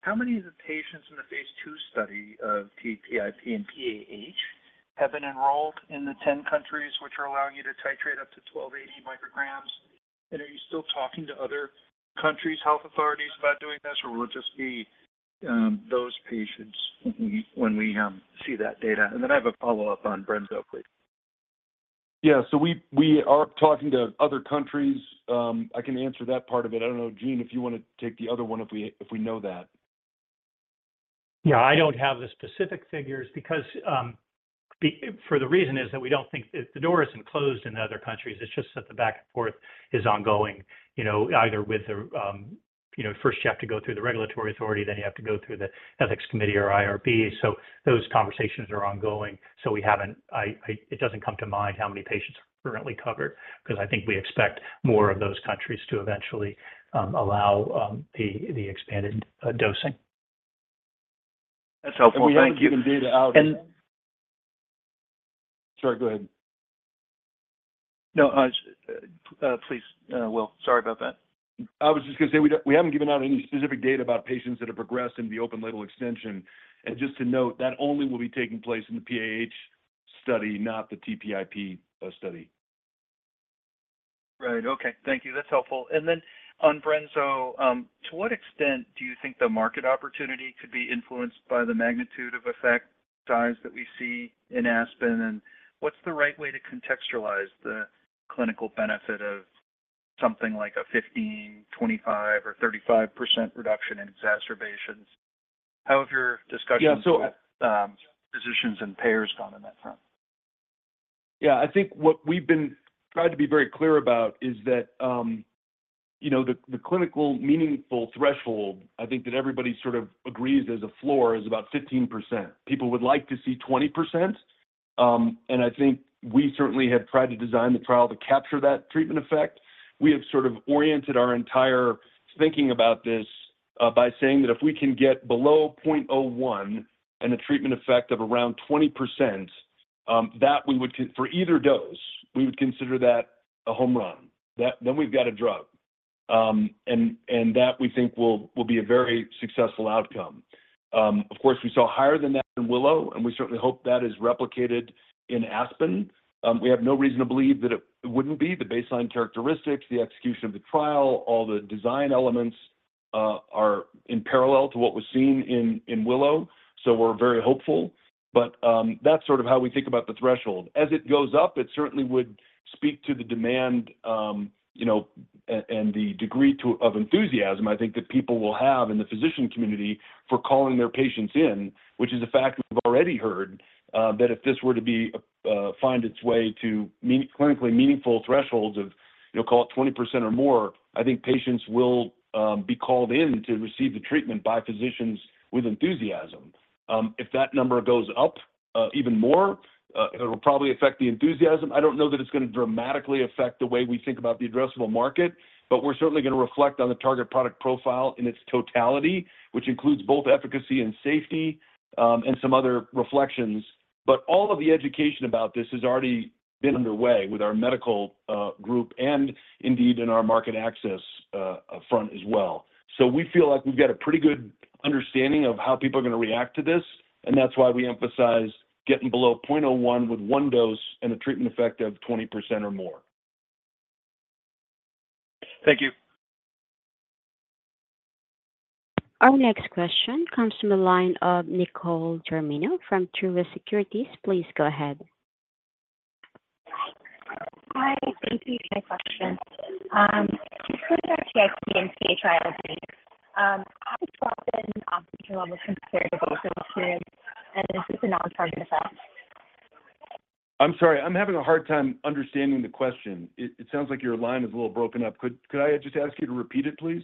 how many of the patients in the phase 2 study of TPIP and PAH have been enrolled in the 10 countries which are allowing you to titrate up to 1,280 micrograms? Are you still talking to other countries' health authorities about doing this, or will it just be those patients when we see that data? Then I have a follow-up on brensocatib, please. Yeah, so we are talking to other countries. I can answer that part of it. I don't know, Gene, if you want to take the other one, if we know that. Yeah, I don't have the specific figures because for the reason is that we don't think the door isn't closed in other countries. It's just that the back and forth is ongoing, you know, either with the, you know, first you have to go through the regulatory authority, then you have to go through the ethics committee or IRP. So those conversations are ongoing, so we haven't. It doesn't come to mind how many patients are currently covered, because I think we expect more of those countries to eventually allow the expanded dosing. That's helpful. Thank you. We haven't given data out- And... Sorry, go ahead. No, please, Will, sorry about that. I was just gonna say, we don't, we haven't given out any specific data about patients that have progressed in the open-label extension. And just to note, that only will be taking place in the PAH study, not the TPIP study. Right. Okay. Thank you. That's helpful. And then on brensocatib, to what extent do you think the market opportunity could be influenced by the magnitude of effect size that we see in ASPEN? And what's the right way to contextualize the clinical benefit of something like a 15, 25, or 35% reduction in exacerbations? How have your discussions- Yeah, so- physicians and payers gone on that front? Yeah, I think what we've been tried to be very clear about is that, you know, the clinical meaningful threshold, I think that everybody sort of agrees there's a floor, is about 15%. People would like to see 20%, and I think we certainly have tried to design the trial to capture that treatment effect. We have sort of oriented our entire thinking about this, by saying that if we can get below 0.01 and a treatment effect of around 20%, for either dose, we would consider that a home run. That, then we've got a drug. And that, we think, will be a very successful outcome. Of course, we saw higher than that in WILLOW, and we certainly hope that is replicated in ASPEN. We have no reason to believe that it wouldn't be. The baseline characteristics, the execution of the trial, all the design elements, are in parallel to what was seen in WILLOW, so we're very hopeful. But, that's sort of how we think about the threshold. As it goes up, it certainly would speak to the demand, you know, and the degree of enthusiasm, I think, that people will have in the physician community for calling their patients in. Which is a fact we've already heard, that if this were to be find its way to clinically meaningful thresholds of, you know, call it 20% or more, I think patients will be called in to receive the treatment by physicians with enthusiasm. If that number goes up even more, it'll probably affect the enthusiasm. I don't know that it's gonna dramatically affect the way we think about the addressable market, but we're certainly gonna reflect on the target product profile in its totality, which includes both efficacy and safety, and some other reflections. But all of the education about this has already been underway with our medical, group and indeed in our market access, front as well. So we feel like we've got a pretty good understanding of how people are gonna react to this, and that's why we emphasize getting below 0.01 with one dose and a treatment effect of 20% or more. Thank you. Our next question comes from the line of Nicole Germino from Truist Securities. Please go ahead. Hi. Thank you for the question. How does drop in oxygen levels compare to the period, and is this a non-target effect? I'm sorry, I'm having a hard time understanding the question. It sounds like your line is a little broken up. Could I just ask you to repeat it, please?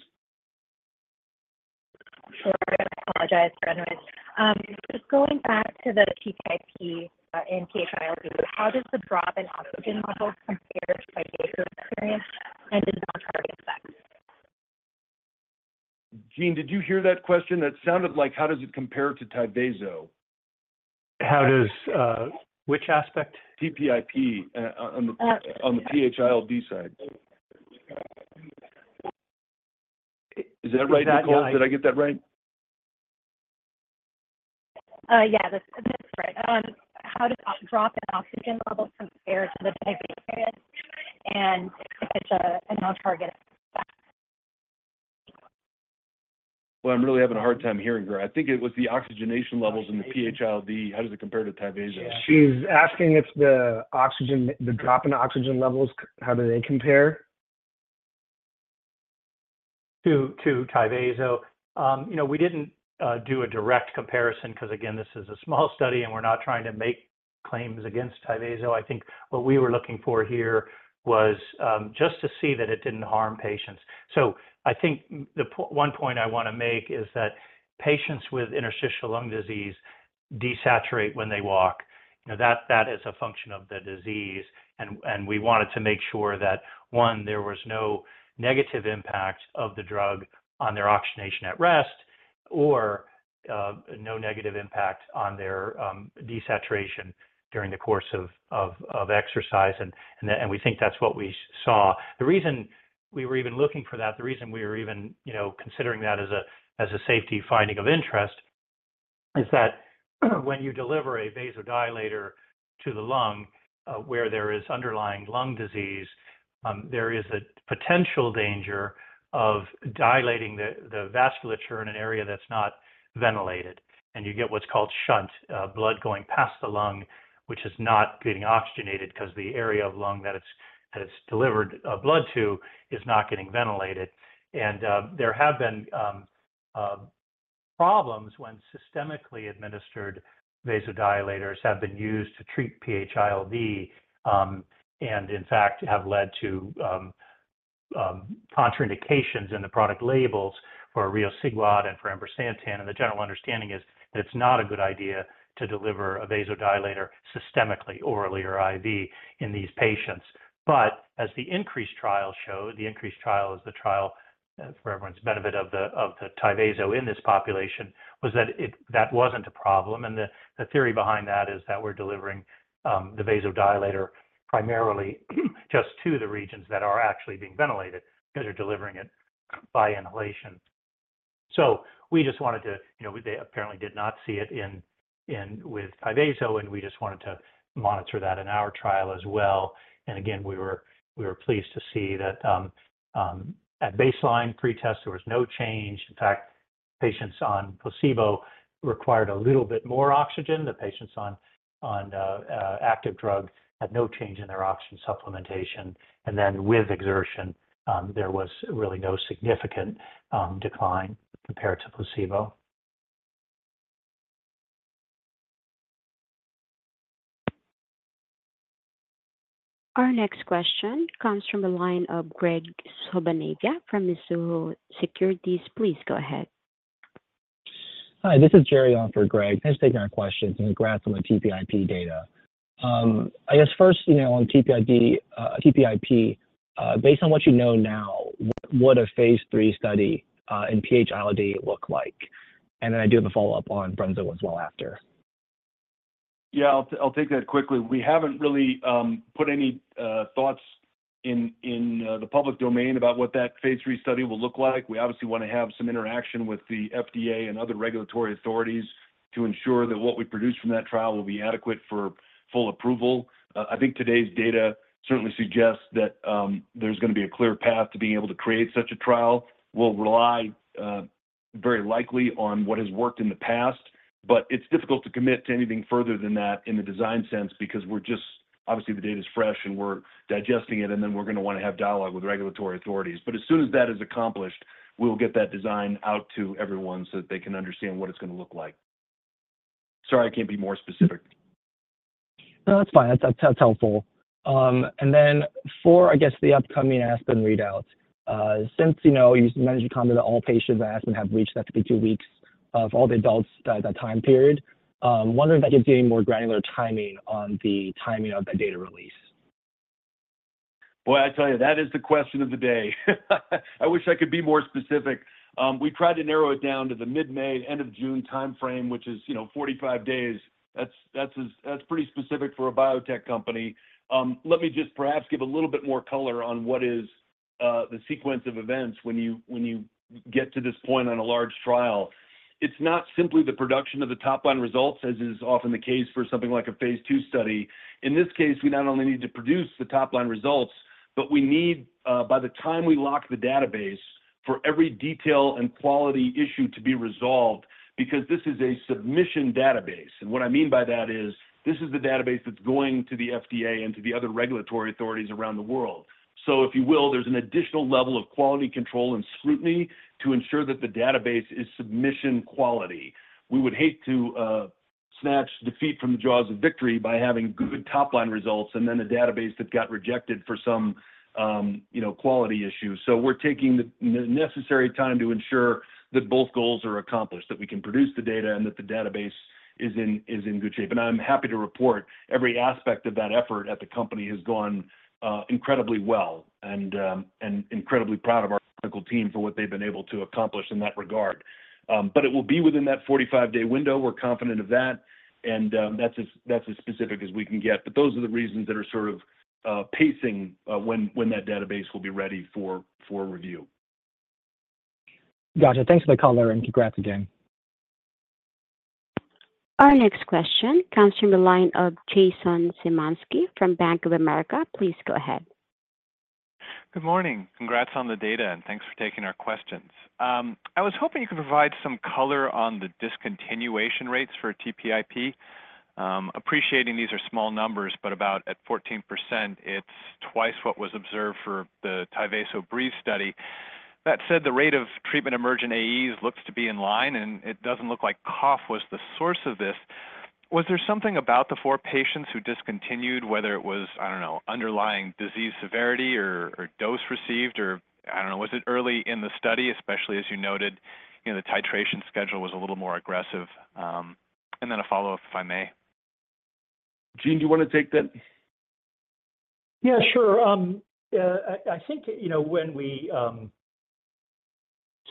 Sure, I apologize for anyways. Just going back to the TPIP and PH-ILD, how does the drop in oxygen levels compare to Tyvaso experience and the non-target effects? Gene, did you hear that question? That sounded like how does it compare to Tyvaso? How does, which aspect? TPIP, on the- Uh-... PH-ILD side. Is that right, Nicole? Did I get that right? Yeah, that's right. How does drop in oxygen levels compare to the Tyvaso period, and if it's a non-target effect?... Well, I'm really having a hard time hearing you. I think it was the oxygenation levels in the PH-ILD. How does it compare to Tyvaso? She's asking if the oxygen, the drop in oxygen levels, how do they compare? To Tyvaso? You know, we didn't do a direct comparison, 'cause again, this is a small study, and we're not trying to make claims against Tyvaso. I think what we were looking for here was just to see that it didn't harm patients. So I think the one point I wanna make is that patients with interstitial lung disease desaturate when they walk. You know, that is a function of the disease. And we wanted to make sure that, one, there was no negative impact of the drug on their oxygenation at rest, or no negative impact on their desaturation during the course of exercise. And we think that's what we saw. The reason we were even looking for that, the reason we were even, you know, considering that as a safety finding of interest, is that when you deliver a vasodilator to the lung, where there is underlying lung disease, there is a potential danger of dilating the vasculature in an area that's not ventilated. And you get what's called shunt, blood going past the lung, which is not getting oxygenated, 'cause the area of lung that it's delivered, blood to, is not getting ventilated. And there have been problems when systemically administered vasodilators have been used to treat PH-ILD, and in fact, have led to contraindications in the product labels for riociguat and for ambrisentan. The general understanding is that it's not a good idea to deliver a vasodilator systemically, orally or IV, in these patients. But as the INCREASE trial showed, the INCREASE trial is the trial, for everyone's benefit, of the Tyvaso in this population, was that it, that wasn't a problem. And the theory behind that is that we're delivering the vasodilator primarily just to the regions that are actually being ventilated, 'cause you're delivering it by inhalation. So we just wanted to... You know, they apparently did not see it in, with Tyvaso, and we just wanted to monitor that in our trial as well. And again, we were pleased to see that, at baseline pretest, there was no change. In fact, patients on placebo required a little bit more oxygen. The patients on active drug had no change in their oxygen supplementation. Then, with exertion, there was really no significant decline compared to placebo. Our next question comes from the line of Graig Suvannavejh from Mizuho Securities. Please go ahead. Hi, this is Jerry on for Graig. Thanks for taking our questions, and congrats on the TPIP data. I guess first, you know, on TPIP, based on what you know now, what would a Phase III study in PH-ILD look like? And then I do have a follow-up on brensocatib as well after. Yeah, I'll take that quickly. We haven't really put any thoughts in the public domain about what that phase 3 study will look like. We obviously wanna have some interaction with the FDA and other regulatory authorities to ensure that what we produce from that trial will be adequate for full approval. I think today's data certainly suggests that there's gonna be a clear path to being able to create such a trial. We'll rely very likely on what has worked in the past, but it's difficult to commit to anything further than that in the design sense, because we're just obviously, the data's fresh, and we're digesting it, and then we're gonna wanna have dialogue with regulatory authorities. But as soon as that is accomplished, we'll get that design out to everyone so that they can understand what it's gonna look like. Sorry, I can't be more specific. No, that's fine. That's, that's helpful. And then for, I guess, the upcoming ASPEN readouts, since, you know, you've managed to comment that all patients at ASPEN have reached that 52 weeks of all the adults at that time period, wondering if I could get any more granular timing on the timing of that data release? Boy, I tell you, that is the question of the day. I wish I could be more specific. We tried to narrow it down to the mid-May, end of June timeframe, which is, you know, 45 days. That's pretty specific for a biotech company. Let me just perhaps give a little bit more color on what is the sequence of events when you, when you get to this point on a large trial. It's not simply the production of the top-line results, as is often the case for something like a phase II study. In this case, we not only need to produce the top-line results, but we need, by the time we lock the database, for every detail and quality issue to be resolved, because this is a submission database. What I mean by that is, this is the database that's going to the FDA and to the other regulatory authorities around the world. So if you will, there's an additional level of quality control and scrutiny to ensure that the database is submission quality. We would hate to snatch defeat from the jaws of victory by having good top-line results, and then a database that got rejected for some, you know, quality issue. So we're taking the necessary time to ensure that both goals are accomplished, that we can produce the data and that the database is in good shape. I'm happy to report every aspect of that effort at the company has gone incredibly well, and incredibly proud of our clinical team for what they've been able to accomplish in that regard. But it will be within that 45-day window. We're confident of that, and, that's as specific as we can get. But those are the reasons that are sort of pacing when that database will be ready for review. Gotcha. Thanks for the color, and congrats again. Our next question comes from the line of Jason Zemansky from Bank of America. Please go ahead. Good morning. Congrats on the data, and thanks for taking our questions. I was hoping you could provide some color on the discontinuation rates for TPIP. Appreciating these are small numbers, but about at 14%, it's twice what was observed for the Tyvaso BREEZE study. That said, the rate of treatment-emergent AEs looks to be in line, and it doesn't look like cough was the source of this. Was there something about the four patients who discontinued, whether it was, I don't know, underlying disease severity or, or dose received, or, I don't know, was it early in the study, especially as you noted, you know, the titration schedule was a little more aggressive? And then a follow-up, if I may. Gene, do you wanna take that? Yeah, sure. I think, you know, when we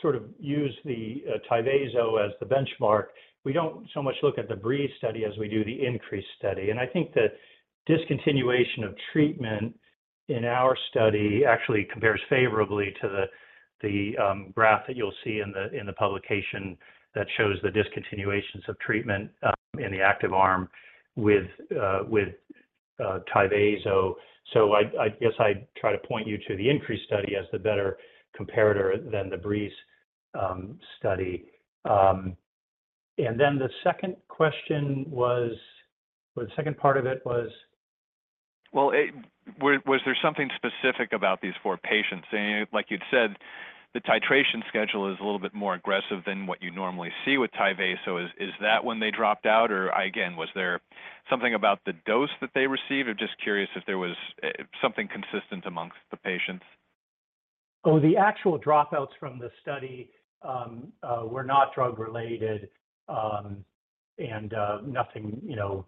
sort of use the Tyvaso as the benchmark, we don't so much look at the BREEZE study as we do the INCREASE study. And I think the discontinuation of treatment in our study actually compares favorably to the graph that you'll see in the publication that shows the discontinuations of treatment in the active arm with Tyvaso. So I guess I'd try to point you to the INCREASE study as the better comparator than the BREEZE study. And then the second question was... Well, the second part of it was? Well, was there something specific about these four patients? And like you'd said, the titration schedule is a little bit more aggressive than what you normally see with Tyvaso. Is that when they dropped out, or again, was there something about the dose that they received? I'm just curious if there was something consistent amongst the patients. Oh, the actual dropouts from the study were not drug related, and nothing, you know,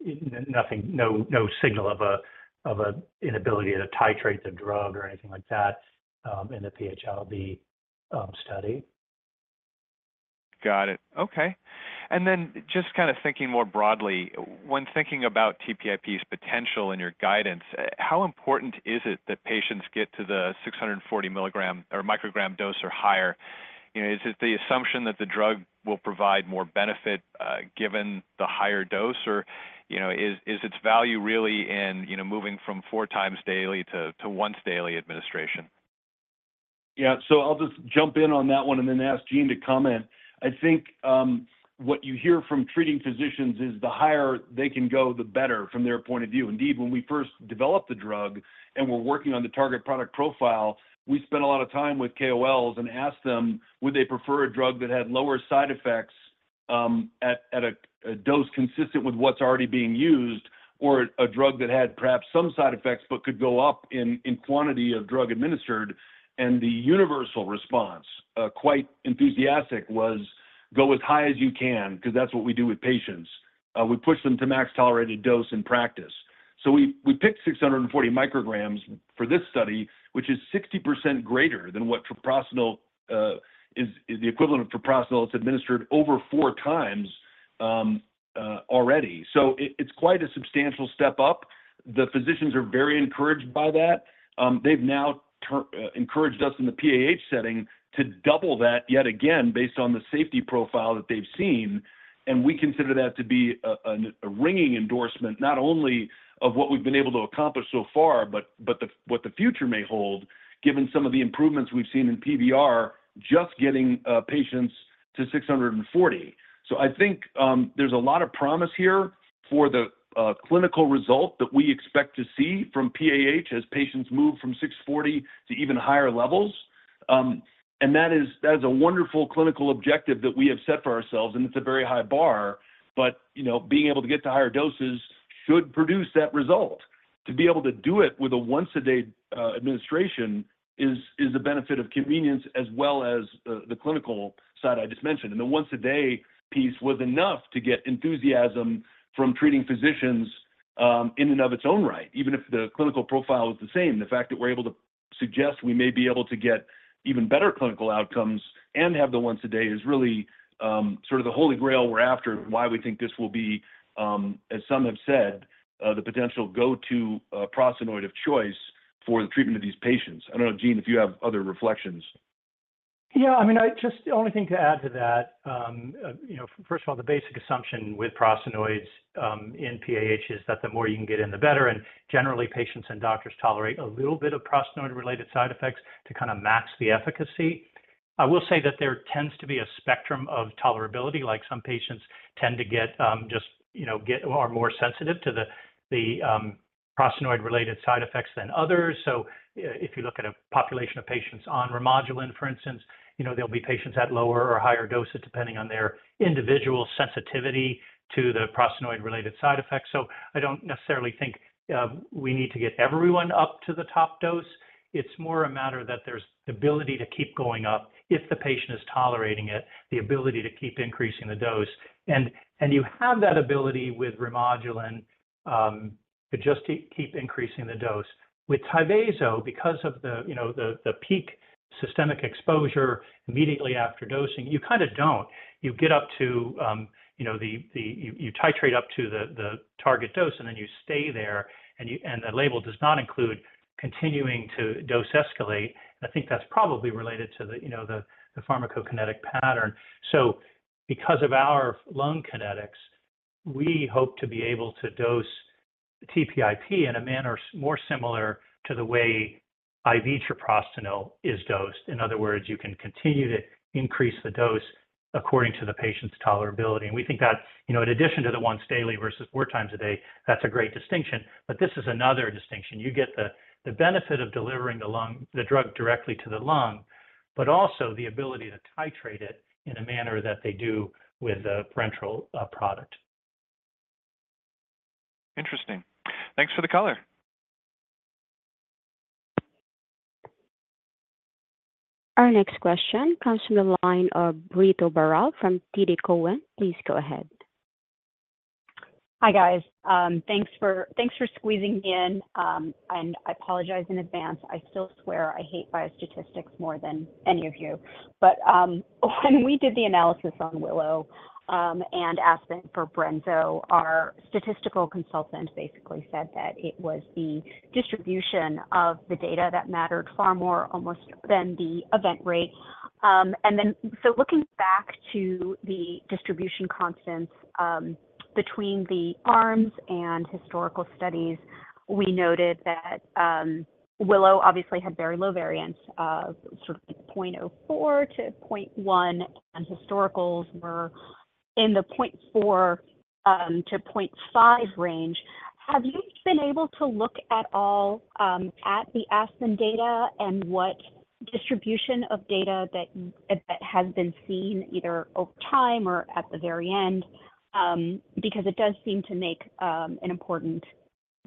no, no signal of an inability to titrate the drug or anything like that, in the PH-ILD study. Got it. Okay. And then just kind of thinking more broadly, when thinking about TPIP's potential in your guidance, how important is it that patients get to the 640 milligram or microgram dose or higher? You know, is it the assumption that the drug will provide more benefit, given the higher dose? Or, you know, is, is its value really in, you know, moving from four times daily to, to once daily administration? Yeah. So I'll just jump in on that one and then ask Gene to comment. I think what you hear from treating physicians is the higher they can go, the better from their point of view. Indeed, when we first developed the drug and were working on the target product profile, we spent a lot of time with KOLs and asked them, would they prefer a drug that had lower side effects at a dose consistent with what's already being used, or a drug that had perhaps some side effects but could go up in quantity of drug administered? And the universal response, quite enthusiastic, was, "Go as high as you can," 'cause that's what we do with patients. We push them to max tolerated dose in practice. So we, we picked 640 micrograms for this study, which is 60% greater than what treprostinil, is the equivalent of treprostinil that's administered over 4 times already. So it, it's quite a substantial step up. The physicians are very encouraged by that. They've now encouraged us in the PAH setting to double that yet again, based on the safety profile that they've seen, and we consider that to be a, an, a ringing endorsement, not only of what we've been able to accomplish so far, but, but the, what the future may hold, given some of the improvements we've seen in PVR, just getting patients to 640. So I think, there's a lot of promise here for the, clinical result that we expect to see from PAH as patients move from 640 to even higher levels. And that is, that is a wonderful clinical objective that we have set for ourselves, and it's a very high bar, but, you know, being able to get to higher doses should produce that result. To be able to do it with a once-a-day, administration is, is the benefit of convenience as well as the, the clinical side I just mentioned. And the once-a-day piece was enough to get enthusiasm from treating physicians, in and of its own right. Even if the clinical profile is the same, the fact that we're able to suggest we may be able to get even better clinical outcomes and have the once-a-day is really, sort of the holy grail we're after, and why we think this will be, as some have said, the potential go-to, prostanoid of choice for the treatment of these patients. I don't know, Gene, if you have other reflections. Yeah, I mean, I just... The only thing to add to that, you know, first of all, the basic assumption with prostanoids, in PAH, is that the more you can get in, the better, and generally, patients and doctors tolerate a little bit of prostanoid-related side effects to kind of max the efficacy. I will say that there tends to be a spectrum of tolerability, like some patients tend to get, just, you know, get, are more sensitive to the, the, prostanoid-related side effects than others. So if you look at a population of patients on Remodulin, for instance, you know, there'll be patients at lower or higher doses, depending on their individual sensitivity to the prostanoid-related side effects. So I don't necessarily think, we need to get everyone up to the top dose. It's more a matter that there's ability to keep going up if the patient is tolerating it, the ability to keep increasing the dose. And you have that ability with Remodulin, but just to keep increasing the dose. With Tyvaso, because of the, you know, the peak systemic exposure immediately after dosing, you kind of don't. You get up to, you know, you titrate up to the target dose, and then you stay there, and the label does not include continuing to dose escalate. I think that's probably related to the, you know, the pharmacokinetic pattern. So because of our lung kinetics, we hope to be able to dose TPIP in a manner more similar to the way IV treprostinil is dosed. In other words, you can continue to increase the dose according to the patient's tolerability. We think that, you know, in addition to the once daily versus four times a day, that's a great distinction. This is another distinction. You get the, the benefit of delivering the lung, the drug directly to the lung, but also the ability to titrate it in a manner that they do with a parenteral product. Interesting. Thanks for the color. Our next question comes from the line of Ritu Baral from TD Cowen. Please go ahead. Hi, guys. Thanks for squeezing me in. And I apologize in advance. I still swear I hate biostatistics more than any of you. But when we did the analysis on WILLOW and ASPEN for brensocatib, our statistical consultant basically said that it was the distribution of the data that mattered far more almost than the event rate. And then so looking back to the distribution constants between the arms and historical studies, we noted that WILLOW obviously had very low variance of sort of like 0.04-0.1, and historicals were in the 0.4-0.5 range. Have you been able to look at all at the ASPEN data and what distribution of data that has been seen either over time or at the very end? Because it does seem to make an important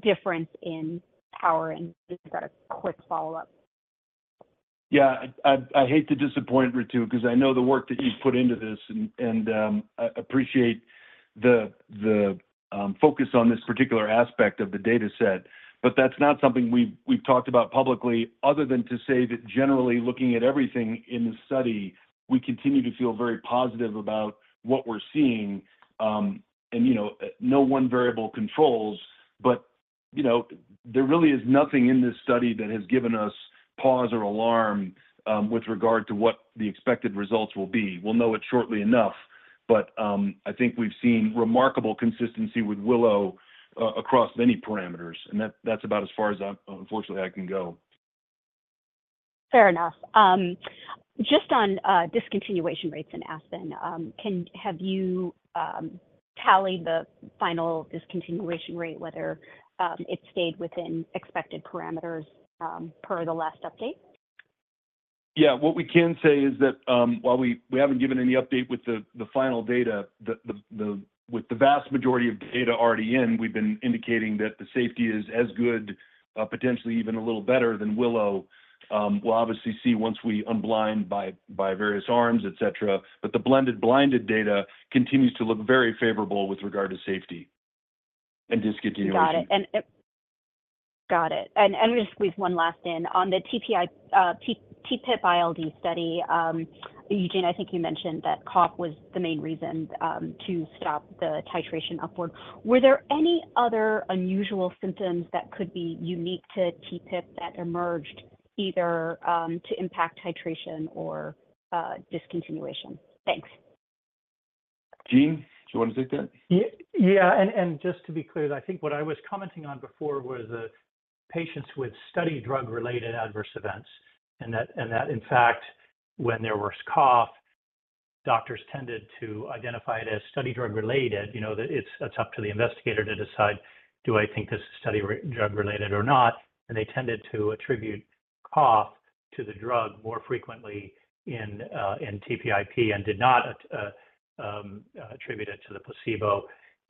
difference in power. And I've got a quick follow-up. Yeah, I hate to disappoint, Ritu, because I know the work that you've put into this and I appreciate the focus on this particular aspect of the data set. But that's not something we've talked about publicly, other than to say that generally, looking at everything in the study, we continue to feel very positive about what we're seeing. And, you know, no one variable controls, but, you know, there really is nothing in this study that has given us pause or alarm with regard to what the expected results will be. We'll know it shortly enough, but I think we've seen remarkable consistency with WILLOW across many parameters, and that's about as far as I, unfortunately, can go. Fair enough. Just on discontinuation rates in ASPEN, have you tallied the final discontinuation rate, whether it stayed within expected parameters, per the last update? Yeah. What we can say is that, while we haven't given any update with the vast majority of data already in, we've been indicating that the safety is as good, potentially even a little better than WILLOW. We'll obviously see once we unblind by various arms, etcetera. But the blended blinded data continues to look very favorable with regard to safety and discontinuation. Got it. And got it. And just squeeze one last in. On the TPIP ILD study, Eugene, I think you mentioned that cough was the main reason to stop the titration upward. Were there any other unusual symptoms that could be unique to TPIP that emerged either to impact titration or discontinuation? Thanks. Gene, do you want to take that? Yeah. Yeah, and just to be clear, I think what I was commenting on before was the patients with study drug-related adverse events, and that, in fact, when there was cough, doctors tended to identify it as study drug-related. You know, that it's up to the investigator to decide, "Do I think this is study drug related or not?" And they tended to attribute cough to the drug more frequently in TPIP and did not attribute it to the placebo.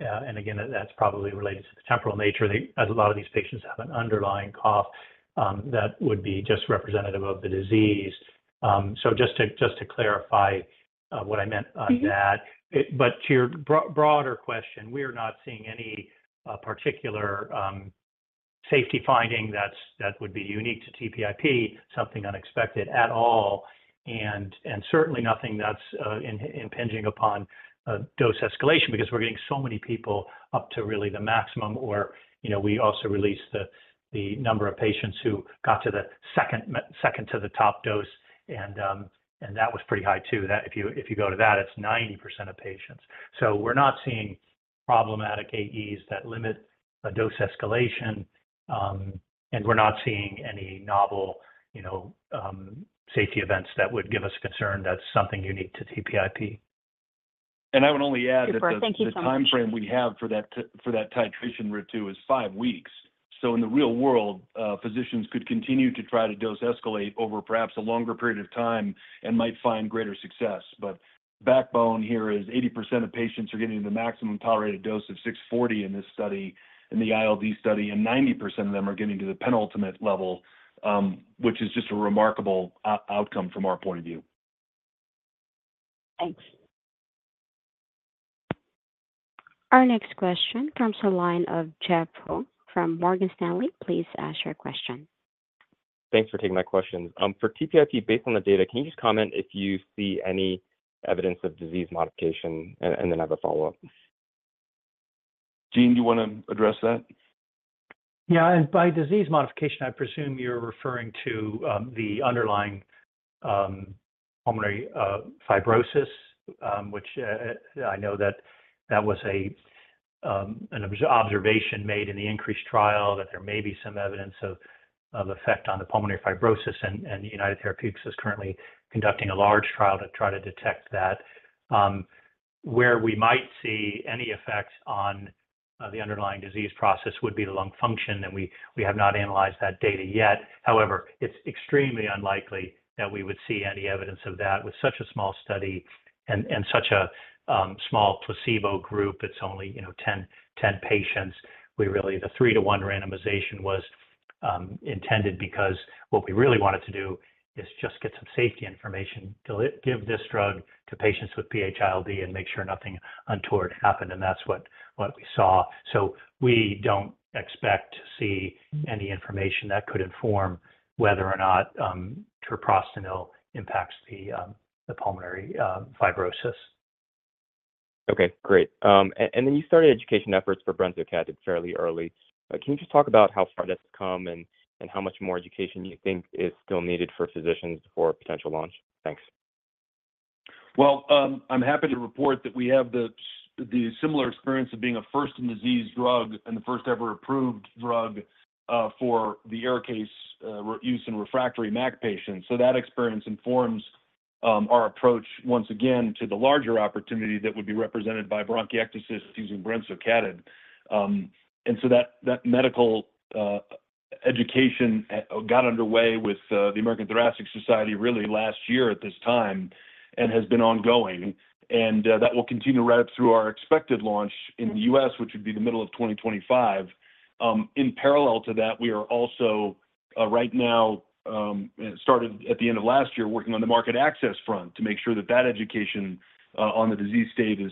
And again, that's probably related to the temporal nature. As a lot of these patients have an underlying cough that would be just representative of the disease. So just to clarify what I meant on that. Mm-hmm. But to your broader question, we are not seeing any particular safety finding that's that would be unique to TPIP, something unexpected at all, and certainly nothing that's impinging upon dose escalation. Because we're getting so many people up to really the maximum or, you know, we also released the number of patients who got to the second to the top dose, and that was pretty high, too. That if you go to that, it's 90% of patients. So we're not seeing problematic AEs that limit a dose escalation, and we're not seeing any novel, you know, safety events that would give us concern that's something unique to TPIP. I would only add that- Super. Thank you so much.... the timeframe we have for that for that titration Ritu is five weeks. So in the real world, physicians could continue to try to dose escalate over perhaps a longer period of time and might find greater success. But backbone here is 80% of patients are getting the maximum tolerated dose of 640 in this study, in the ILD study, and 90% of them are getting to the penultimate level, which is just a remarkable outcome from our point of view. Thanks. Our next question comes from the line of Jeff Hung from Morgan Stanley. Please ask your question.... Thanks for taking my questions. For TPIP, based on the data, can you just comment if you see any evidence of disease modification? And then I have a follow-up. Gene, do you want to address that? Yeah, and by disease modification, I presume you're referring to the underlying pulmonary fibrosis, which I know that that was an observation made in the INCREASE trial, that there may be some evidence of effect on the pulmonary fibrosis. And United Therapeutics is currently conducting a large trial to try to detect that. Where we might see any effects on the underlying disease process would be the lung function, and we have not analyzed that data yet. However, it's extremely unlikely that we would see any evidence of that with such a small study and such a small placebo group. It's only, you know, 10, 10 patients. The 3-to-1 randomization was intended because what we really wanted to do is just get some safety information, to give this drug to patients with PH-ILD and make sure nothing untoward happened, and that's what we saw. So we don't expect to see any information that could inform whether or not treprostinil impacts the pulmonary fibrosis. Okay, great. And then you started education efforts for brensocatib fairly early. Can you just talk about how far that's come, and how much more education you think is still needed for physicians for potential launch? Thanks. Well, I'm happy to report that we have the similar experience of being a first-in-disease drug and the first-ever approved drug for ARIKAYCE use in refractory MAC patients. So that experience informs our approach once again to the larger opportunity that would be represented by bronchiectasis using brensocatib. And so that medical education got underway with the American Thoracic Society really last year at this time and has been ongoing, and that will continue right up through our expected launch in the U.S., which would be the middle of 2025. In parallel to that, we are also right now started at the end of last year, working on the market access front, to make sure that that education on the disease state is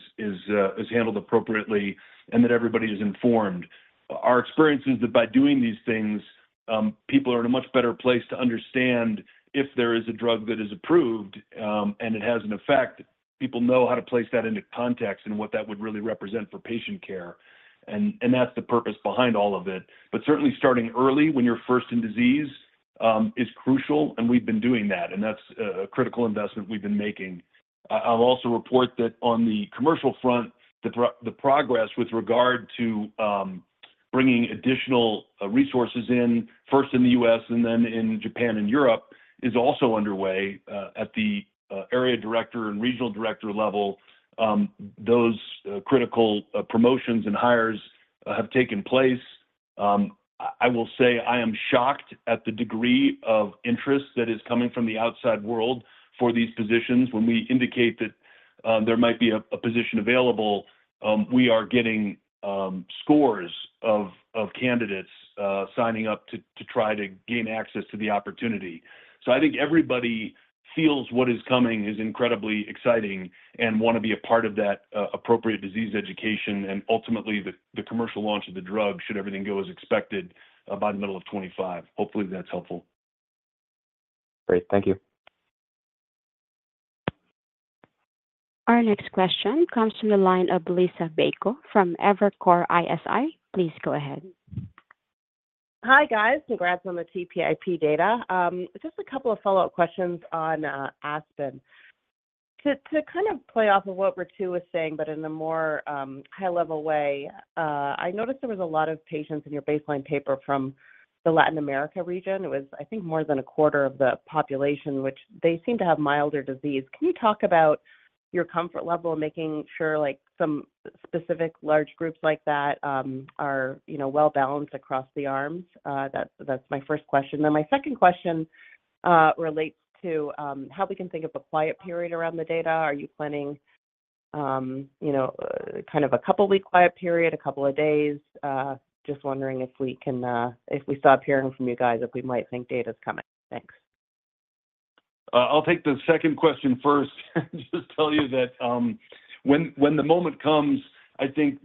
handled appropriately and that everybody is informed. Our experience is that by doing these things, people are in a much better place to understand if there is a drug that is approved, and it has an effect, people know how to place that into context and what that would really represent for patient care. And that's the purpose behind all of it. But certainly, starting early when you're first in disease is crucial, and we've been doing that, and that's a critical investment we've been making. I'll also report that on the commercial front, the progress with regard to bringing additional resources in, first in the U.S. and then in Japan and Europe, is also underway at the area director and regional director level. Those critical promotions and hires have taken place. I will say I am shocked at the degree of interest that is coming from the outside world for these positions. When we indicate that there might be a position available, we are getting scores of candidates signing up to try to gain access to the opportunity. So I think everybody feels what is coming is incredibly exciting and want to be a part of that, appropriate disease education and ultimately, the commercial launch of the drug, should everything go as expected, about the middle of 2025. Hopefully, that's helpful. Great. Thank you. Our next question comes from the line of Liisa Bayko from Evercore ISI. Please go ahead. Hi, guys. Congrats on the TPIP data. Just a couple of follow-up questions on ASPEN. To kind of play off of what Ritu was saying, but in a more high-level way, I noticed there was a lot of patients in your baseline paper from the Latin America region. It was, I think, more than a quarter of the population, which they seem to have milder disease. Can you talk about your comfort level, making sure, like, some specific large groups like that are, you know, well-balanced across the arms? That's my first question. Then my second question relates to how we can think of a quiet period around the data. Are you planning, you know, kind of a couple of week quiet period, a couple of days? Just wondering if we can, if we stop hearing from you guys, if we might think data's coming. Thanks. I'll take the second question first and just tell you that, when the moment comes, I think...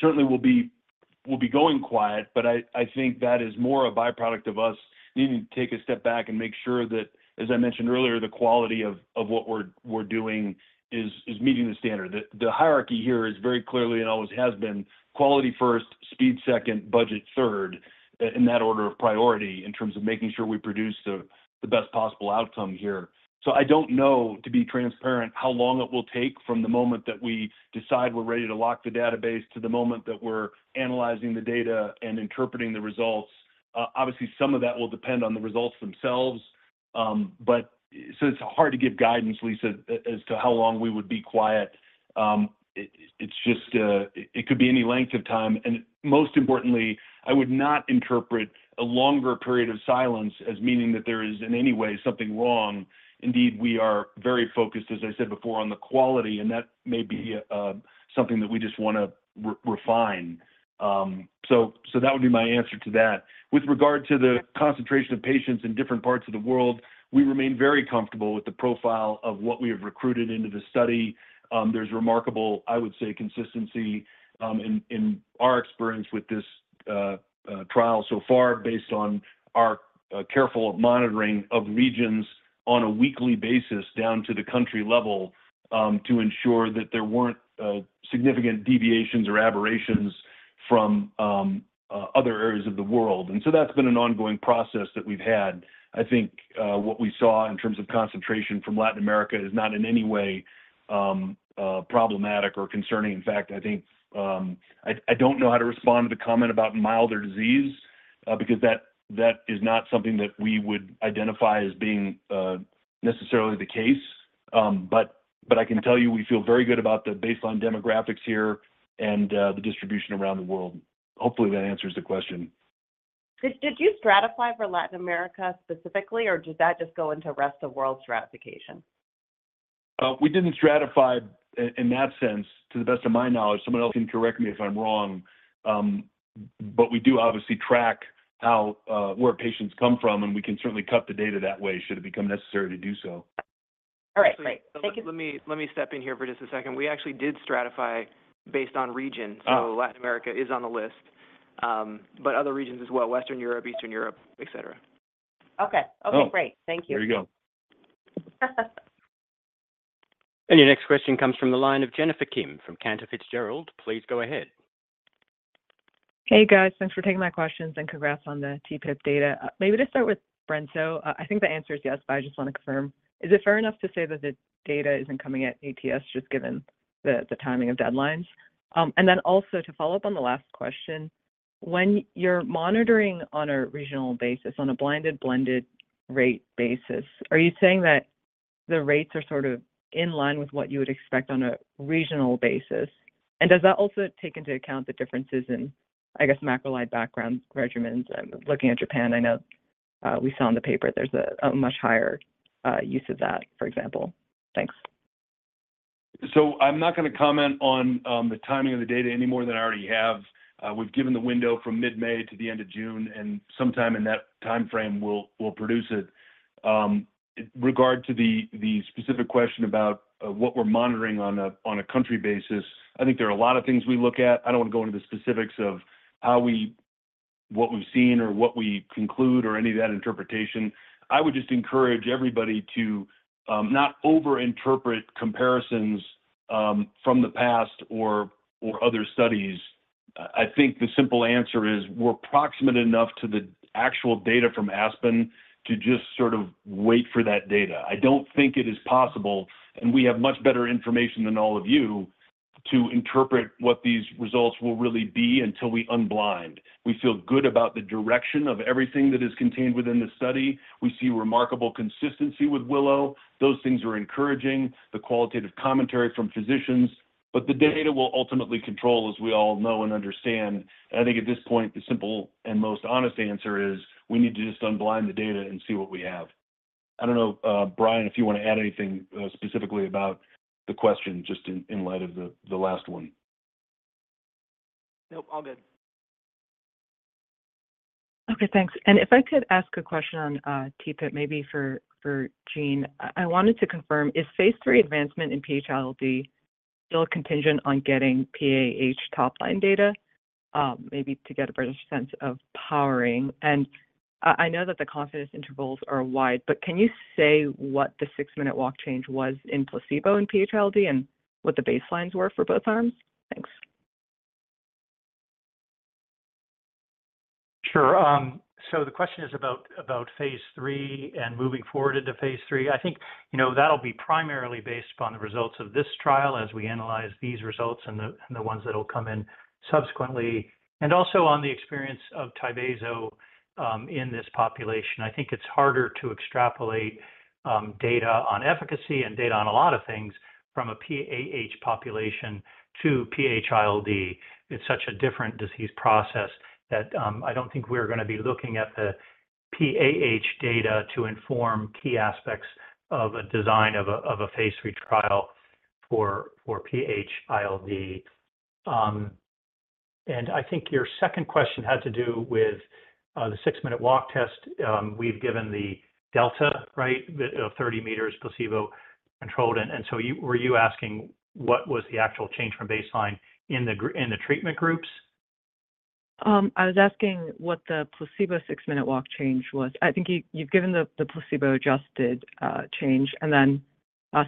Certainly, we'll be going quiet, but I think that is more a by-product of us needing to take a step back and make sure that, as I mentioned earlier, the quality of what we're doing is meeting the standard. The hierarchy here is very clearly, and always has been, quality first, speed second, budget third, in that order of priority, in terms of making sure we produce the best possible outcome here. So I don't know, to be transparent, how long it will take from the moment that we decide we're ready to lock the database to the moment that we're analyzing the data and interpreting the results. Obviously, some of that will depend on the results themselves. But so it's hard to give guidance, Liisa, as to how long we would be quiet. It, it's just... It could be any length of time, and most importantly, I would not interpret a longer period of silence as meaning that there is, in any way, something wrong. Indeed, we are very focused, as I said before, on the quality, and that may be something that we just wanna refine. So that would be my answer to that. With regard to the concentration of patients in different parts of the world, we remain very comfortable with the profile of what we have recruited into the study. There's remarkable, I would say, consistency in our experience with this-... Trial so far, based on our careful monitoring of regions on a weekly basis down to the country level, to ensure that there weren't significant deviations or aberrations from other areas of the world. And so that's been an ongoing process that we've had. I think what we saw in terms of concentration from Latin America is not in any way problematic or concerning. In fact, I think I don't know how to respond to the comment about milder disease because that is not something that we would identify as being necessarily the case. But I can tell you we feel very good about the baseline demographics here and the distribution around the world. Hopefully, that answers the question. Did you stratify for Latin America specifically, or does that just go into rest of world stratification? We didn't stratify in that sense, to the best of my knowledge. Someone else can correct me if I'm wrong. But we do obviously track how, where patients come from, and we can certainly cut the data that way, should it become necessary to do so. All right, great. Thank you. Let me step in here for just a second. We actually did stratify based on region- Oh. So Latin America is on the list, but other regions as well, Western Europe, Eastern Europe, et cetera. Okay. Oh. Okay, great. Thank you. There you go. Your next question comes from the line of Jennifer Kim from Cantor Fitzgerald. Please go ahead. Hey, guys. Thanks for taking my questions, and congrats on the TPIP data. Maybe to start with brensocatib, I think the answer is yes, but I just want to confirm. Is it fair enough to say that the data isn't coming at ATS, just given the timing of deadlines? And then also, to follow up on the last question, when you're monitoring on a regional basis, on a blinded, blended rate basis, are you saying that the rates are sort of in line with what you would expect on a regional basis? And does that also take into account the differences in, I guess, macrolide background regimens? Looking at Japan, I know we saw in the paper there's a much higher use of that, for example. Thanks. So I'm not gonna comment on the timing of the data any more than I already have. We've given the window from mid-May to the end of June, and sometime in that timeframe, we'll produce it. In regard to the specific question about what we're monitoring on a country basis, I think there are a lot of things we look at. I don't want to go into the specifics of how we—what we've seen, or what we conclude, or any of that interpretation. I would just encourage everybody to not overinterpret comparisons from the past or other studies. I think the simple answer is we're proximate enough to the actual data from ASPEN to just sort of wait for that data. I don't think it is possible, and we have much better information than all of you, to interpret what these results will really be until we unblind. We feel good about the direction of everything that is contained within the study. We see remarkable consistency with WILLOW. Those things are encouraging, the qualitative commentary from physicians, but the data will ultimately control, as we all know and understand. And I think at this point, the simple and most honest answer is we need to just unblind the data and see what we have. I don't know, Brian, if you want to add anything, specifically about the question, just in light of the last one. Nope, all good. Okay, thanks. And if I could ask a question on TPIP, maybe for Gene. I wanted to confirm, is phase 3 advancement in PHILD still contingent on getting PAH top-line data? Maybe to get a better sense of powering. And I know that the confidence intervals are wide, but can you say what the six-minute walk change was in placebo in PHILD and what the baselines were for both arms? Thanks. Sure, so the question is about phase 3 and moving forward into phase 3. I think, you know, that'll be primarily based upon the results of this trial as we analyze these results and the ones that'll come in subsequently, and also on the experience of Tyvaso in this population. I think it's harder to extrapolate data on efficacy and data on a lot of things from a PAH population to PH-ILD. It's such a different disease process that I don't think we're gonna be looking at the PAH data to inform key aspects of a design of a phase 3 trial for PH-ILD. And I think your second question had to do with the six-minute walk test. We've given the delta, right, the 30 meters placebo-controlled, and so you— were you asking what was the actual change from baseline in the treatment groups? I was asking what the placebo six-minute walk change was. I think you, you've given the, the placebo-adjusted change, and then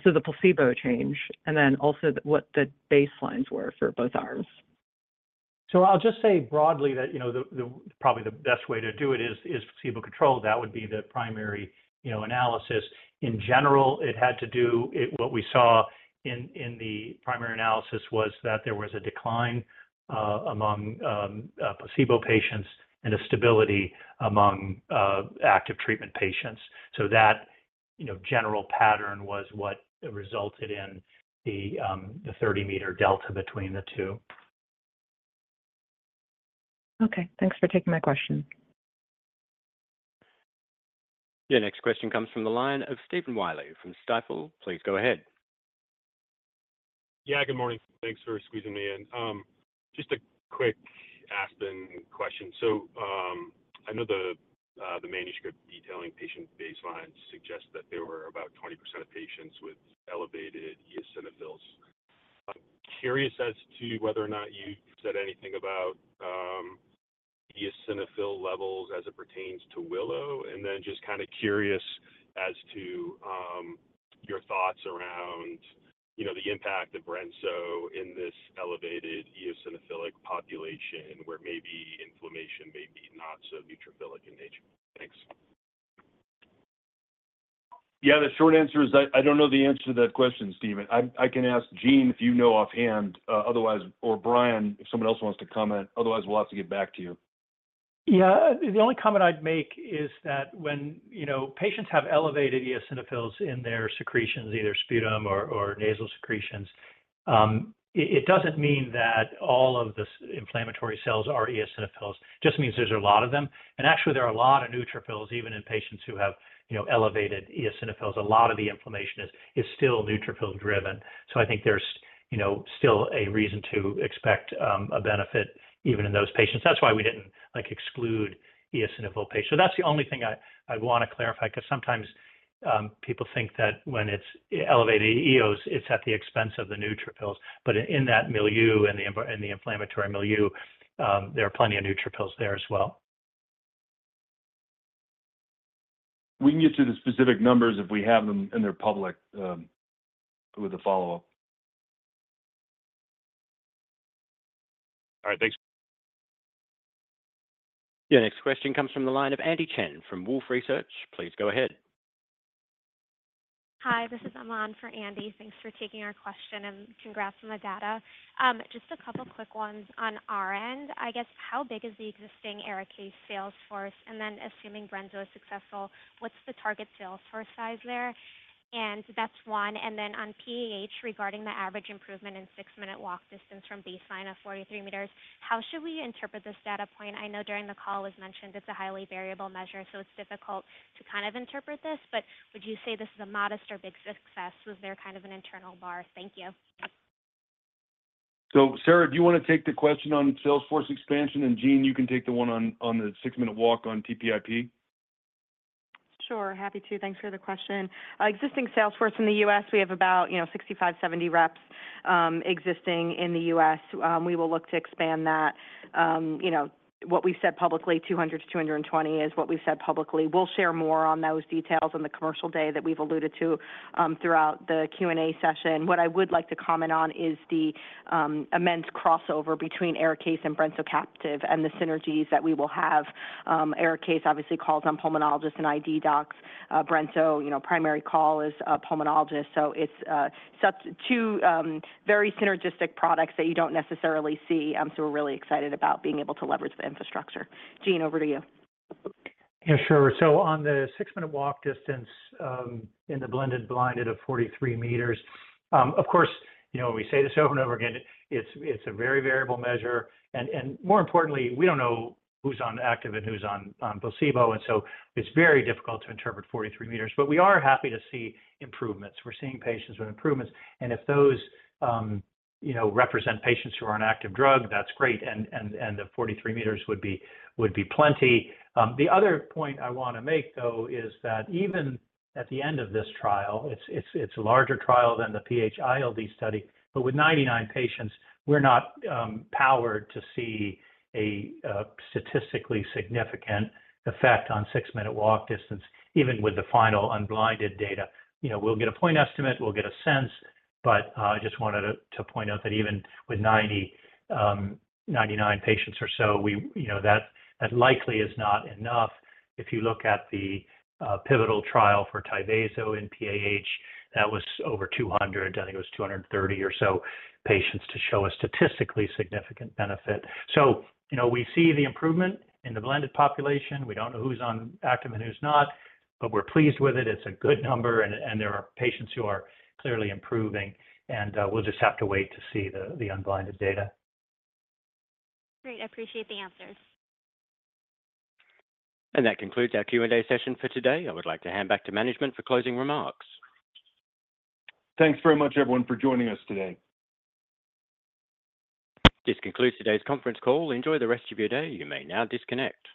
so the placebo change, and then also what the baselines were for both arms. So I'll just say broadly that, you know, probably the best way to do it is placebo-controlled. That would be the primary, you know, analysis. In general, what we saw in the primary analysis was that there was a decline among placebo patients and a stability among active treatment patients. So that, you know, general pattern was what resulted in the 30-meter delta between the two. Okay, thanks for taking my question. Your next question comes from the line of Stephen Willey from Stifel. Please go ahead. Yeah, good morning. Thanks for squeezing me in. Just a quick ASPEN question. So-... I know the, the manuscript detailing patient baselines suggests that there were about 20% of patients with elevated eosinophils. I'm curious as to whether or not you've said anything about, eosinophil levels as it pertains to WILLOW. And then just kind of curious as to, your thoughts around, you know, the impact of brensocatib in this elevated eosinophilic population, where maybe inflammation may be not so neutrophilic in nature. Thanks. Yeah, the short answer is I don't know the answer to that question, Stephen. I can ask Gene if you know offhand, otherwise, or Brian, if someone else wants to comment, otherwise, we'll have to get back to you. Yeah. The only comment I'd make is that when, you know, patients have elevated eosinophils in their secretions, either sputum or, or nasal secretions, it, it doesn't mean that all of these inflammatory cells are eosinophils. It just means there's a lot of them, and actually there are a lot of neutrophils, even in patients who have, you know, elevated eosinophils. A lot of the inflammation is, is still neutrophil driven. So I think there's, you know, still a reason to expect a benefit even in those patients. That's why we didn't, like, exclude eosinophil patients. So that's the only thing I, I'd want to clarify. 'Cause sometimes, people think that when it's elevated eos, it's at the expense of the neutrophils, but in that milieu, in the inflammatory milieu, there are plenty of neutrophils there as well. We can get you the specific numbers if we have them, and they're public, with a follow-up. All right, thanks. Your next question comes from the line of Andy Chen from Wolfe Research. Please go ahead. Hi, this is Aman for Andy. Thanks for taking our question, and congrats on the data. Just a couple quick ones on our end. I guess, how big is the existing ARIKAYCE sales force? And then assuming brensocatib is successful, what's the target sales force size there? And that's one. And then on PAH, regarding the average improvement in six-minute walk distance from baseline of 43 meters, how should we interpret this data point? I know during the call it was mentioned it's a highly variable measure, so it's difficult to kind of interpret this, but would you say this is a modest or big success? Was there kind of an internal bar? Thank you. So, Sara, do you want to take the question on sales force expansion? And, Gene, you can take the one on the six-minute walk on TPIP. Sure, happy to. Thanks for the question. Existing sales force in the U.S., we have about, you know, 65, 70 reps, existing in the U.S. We will look to expand that. You know, what we've said publicly, 200-220 is what we've said publicly. We'll share more on those details on the commercial day that we've alluded to, throughout the Q&A session. What I would like to comment on is the, immense crossover between ARIKAYCE and brensocatib and the synergies that we will have. ARIKAYCE obviously calls on pulmonologists and ID docs. brensocatib, you know, primary call is, pulmonologist. So it's such two very synergistic products that you don't necessarily see, so we're really excited about being able to leverage the infrastructure. Gene, over to you. Yeah, sure. So on the six-minute walk distance, in the blended blinded of 43 meters, of course, you know, we say this over and over again, it's, it's a very variable measure, and, and more importantly, we don't know who's on active and who's on, on placebo, and so it's very difficult to interpret 43 meters. But we are happy to see improvements. We're seeing patients with improvements, and if those, you know, represent patients who are on active drug, that's great, and, and, and the 43 meters would be, would be plenty. The other point I want to make, though, is that even at the end of this trial, it's, it's, it's a larger trial than the PH-ILD study, but with 99 patients, we're not, powered to see a, statistically significant effect on six-minute walk distance, even with the final unblinded data. You know, we'll get a point estimate, we'll get a sense, but, I just wanted to, to point out that even with 90, 99 patients or so, we, you know, that, that likely is not enough. If you look at the pivotal trial for Tyvaso in PAH, that was over 200, I think it was 230 or so patients to show a statistically significant benefit. So, you know, we see the improvement in the blended population. We don't know who's on active and who's not, but we're pleased with it. It's a good number, and, and there are patients who are clearly improving, and, we'll just have to wait to see the, the unblinded data. Great. I appreciate the answers. That concludes our Q&A session for today. I would like to hand back to management for closing remarks. Thanks very much, everyone, for joining us today. This concludes today's conference call. Enjoy the rest of your day. You may now disconnect.